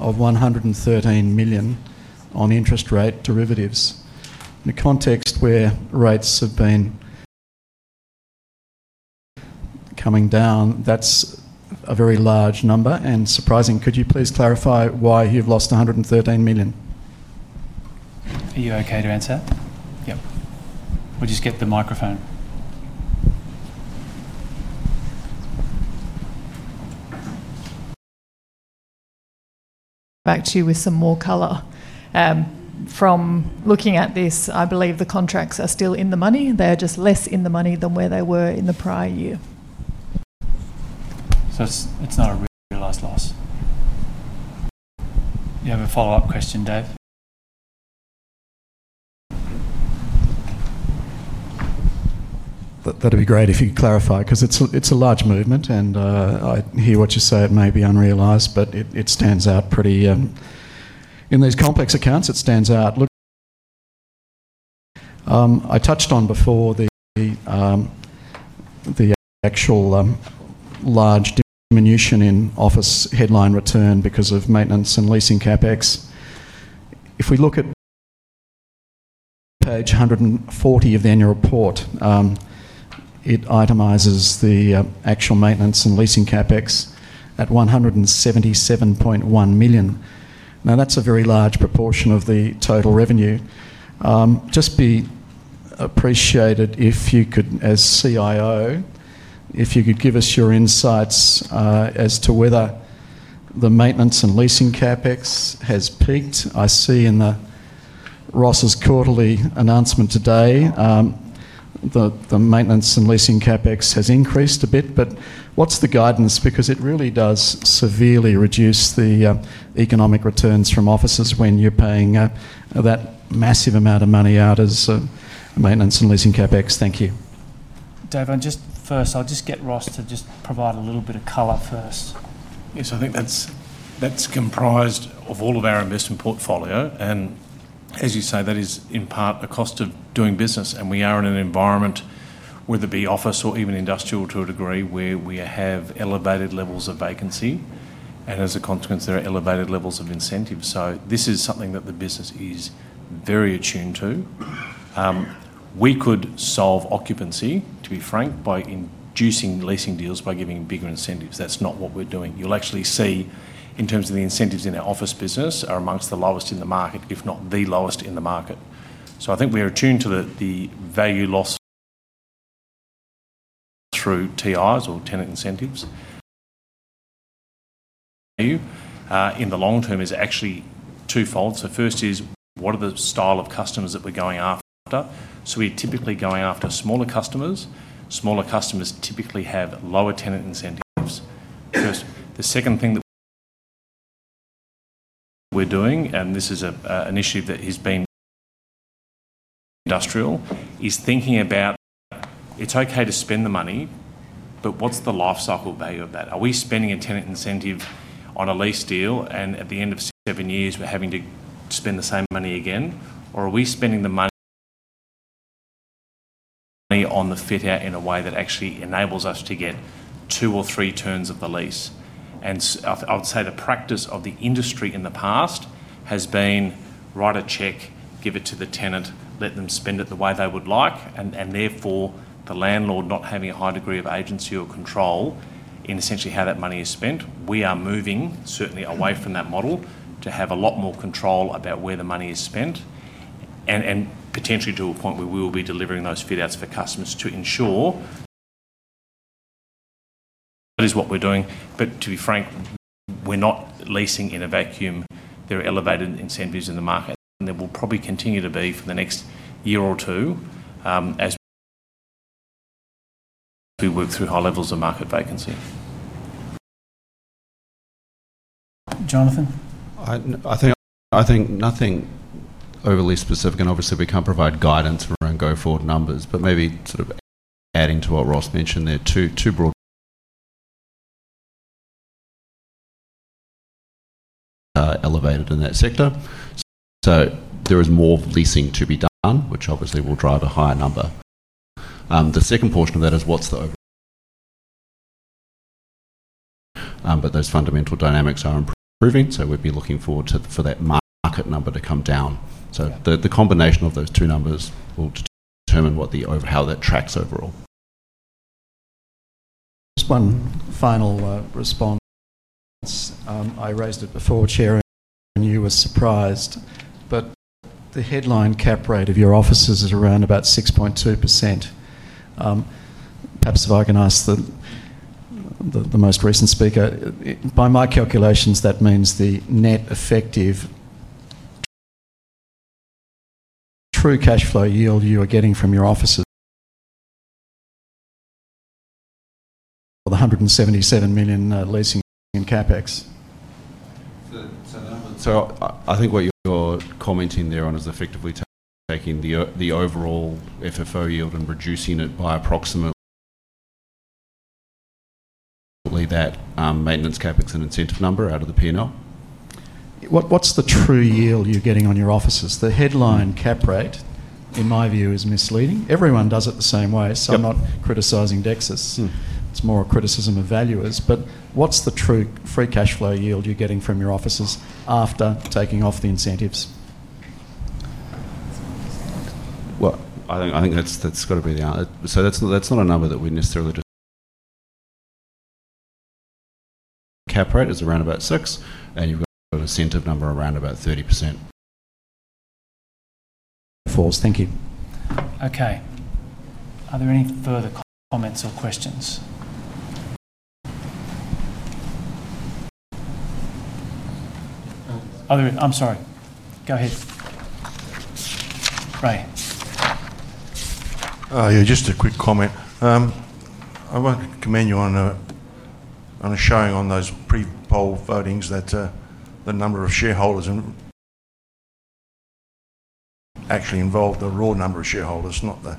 of 113 million on interest rate derivatives. In the context where rates have been coming down, that's a very large number and surprising. Could you please clarify why you've lost 113 million? Are you okay to answer? Yep. We'll just get the microphone. Back to you with some more color. From looking at this, I believe the contracts are still in the money. They're just less in the money than where they were in the prior year. It is not a realized loss. You have a follow-up question, Dave. That'd be great if you clarify because it's a large movement. I hear what you say, it may be unrealized, but it stands out pretty in these complex accounts. It stands out. I touched on before the actual large diminution in office headline return because of maintenance and leasing CapEx. If we look at page 140 of the annual report, it itemizes the actual maintenance and leasing CapEx at 177.1 million. Now, that's a very large proportion of the total revenue. Just be appreciated if you could, as CIO, give us your insights as to whether the maintenance and leasing CapEx has peaked. I see in Ross's quarterly announcement today that the maintenance and leasing CapEx has increased a bit, but what's the guidance? It really does severely reduce the economic returns from offices when you're paying that massive amount of money out as maintenance and leasing CapEx. Thank you. Dave, I'll just get Ross to provide a little bit of color first. Yes, I think that's comprised of all of our investment portfolio. As you say, that is in part a cost of doing business. We are in an environment, whether it be office or even industrial to a degree, where we have elevated levels of vacancy. As a consequence, there are elevated levels of incentives. This is something that the business is very attuned to. We could solve occupancy, to be frank, by inducing leasing deals, by giving bigger incentives. That's not what we're doing. You'll actually see in terms of the incentives in our office business, they are amongst the lowest in the market, if not the lowest in the market. I think we are attuned to the value loss through TIs or tenant incentives. In the long term, it's actually twofold. First is what are the style of customers that we're going after? We're typically going after smaller customers. Smaller customers typically have lower tenant incentives. The second thing that we're doing, and this is an issue that has been industrial, is thinking about it's okay to spend the money, but what's the lifecycle value of that? Are we spending a tenant incentive on a lease deal and at the end of six, seven years, we're having to spend the same money again? Or are we spending the money on the fit out in a way that actually enables us to get two or three turns of the lease? I would say the practice of the industry in the past has been write a check, give it to the tenant, let them spend it the way they would like, and therefore the landlord not having a high degree of agency or control in essentially how that money is spent. We are moving certainly away from that model to have a lot more control about where the money is spent and potentially to a point where we will be delivering those fit-outs for customers to ensure that is what we're doing. To be frank, we're not leasing in a vacuum. There are elevated incentives in the market, and there will probably continue to be for the next year or two as we work through high levels of market vacancy. [Jonathan]? I think nothing overly specific, and obviously we can't provide guidance around go forward numbers, but maybe sort of adding to what Ross mentioned there, too broadly elevated in that sector. There is more leasing to be done, which obviously will drive a higher number. The second portion of that is what's the overall, but those fundamental dynamics are improving. We'd be looking forward to that market number to come down. The combination of those two numbers will determine how that tracks overall. Just one final response. I raised it before, Chair, and you were surprised, but the headline cap rate of your offices is around about 6.2%. Perhaps if I can ask the most recent speaker, by my calculations, that means the net effective true cash flow yield you are getting from your offices, the AUD 177 million leasing and CapEx. I think what you're commenting there on is effectively taking the overall FFO yield and reducing it by approximately that maintenance CapEx and incentive number out of the P&L. What's the true yield you're getting on your offices? The headline cap rate, in my view, is misleading. Everyone does it the same way. I'm not criticizing Dexus. It's more a criticism of valuers. What's the true free cash flow yield you're getting from your offices after taking off the incentives? I think that's got to be the answer. That's not a number that we necessarily cap rate is around about six, and you've got an incentive number around about 30%. Thank you. Okay. Are there any further comments or questions? I'm sorry. Go ahead, Ray. Yeah, just a quick comment. I want to commend you on a showing on those pre-poll votings that the number of shareholders actually involved, the raw number of shareholders, not the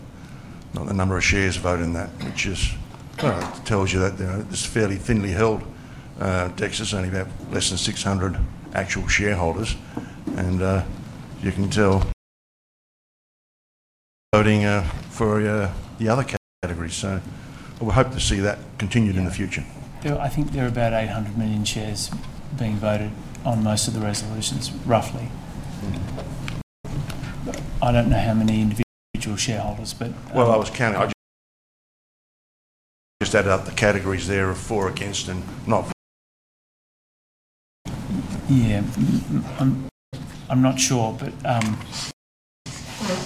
number of shares voting, which just tells you that it's fairly thinly held. Dexus is only about less than 600 actual shareholders, and you can tell voting for the other category. We hope to see that continued in the future. I think there are about 800 million shares being voted on most of the resolutions, roughly. I don't know how many individual shareholders. I was counting. I just added up the categories there of for, against, and not. Yeah, I'm not sure, but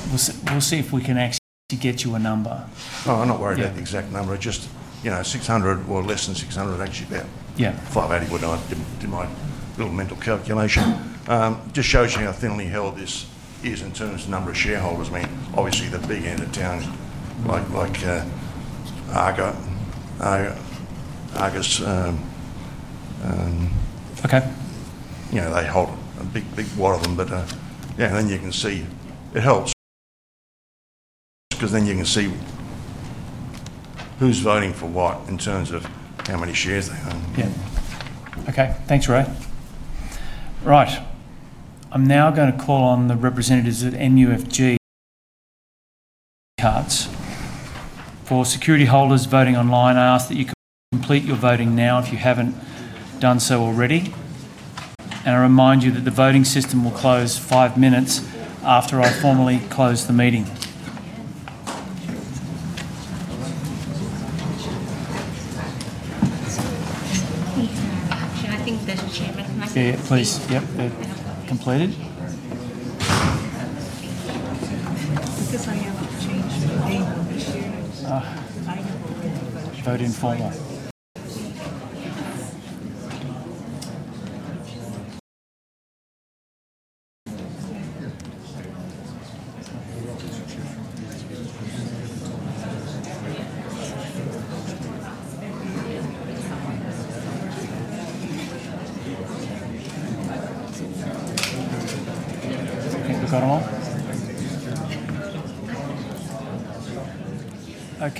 we'll see if we can actually get you a number. Oh, I'm not worried about the exact number. It's just, you know, 600 or less than 600, actually about 580 would be my little mental calculation. It just shows you how thinly held this is in terms of the number of shareholders. I mean, obviously, the big end of town like Argos and. Okay. You know, they hold a big, big wad of them, but yeah, you can see it helps because you can see who's voting for what in terms of how many shares they own. Okay. Thanks, Ray. I'm now going to call on the representatives at MUFG cards. For security holders voting online, I ask that you complete your voting now if you haven't done so already. I remind you that the voting system will close five minutes after I formally close the meeting. I think there's a Chairman who might. Yeah, please. Yep. Completed? I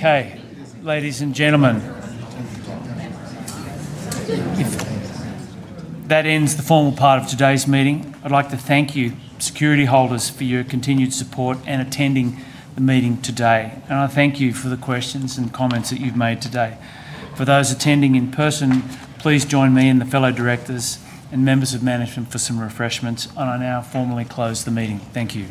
think the card I'm on. Okay, ladies and gentlemen, that ends the formal part of today's meeting. I'd like to thank you, security holders, for your continued support and attending the meeting today. I thank you for the questions and comments that you've made today. For those attending in person, please join me and the fellow directors and members of management for some refreshments. I now formally close the meeting. Thank you.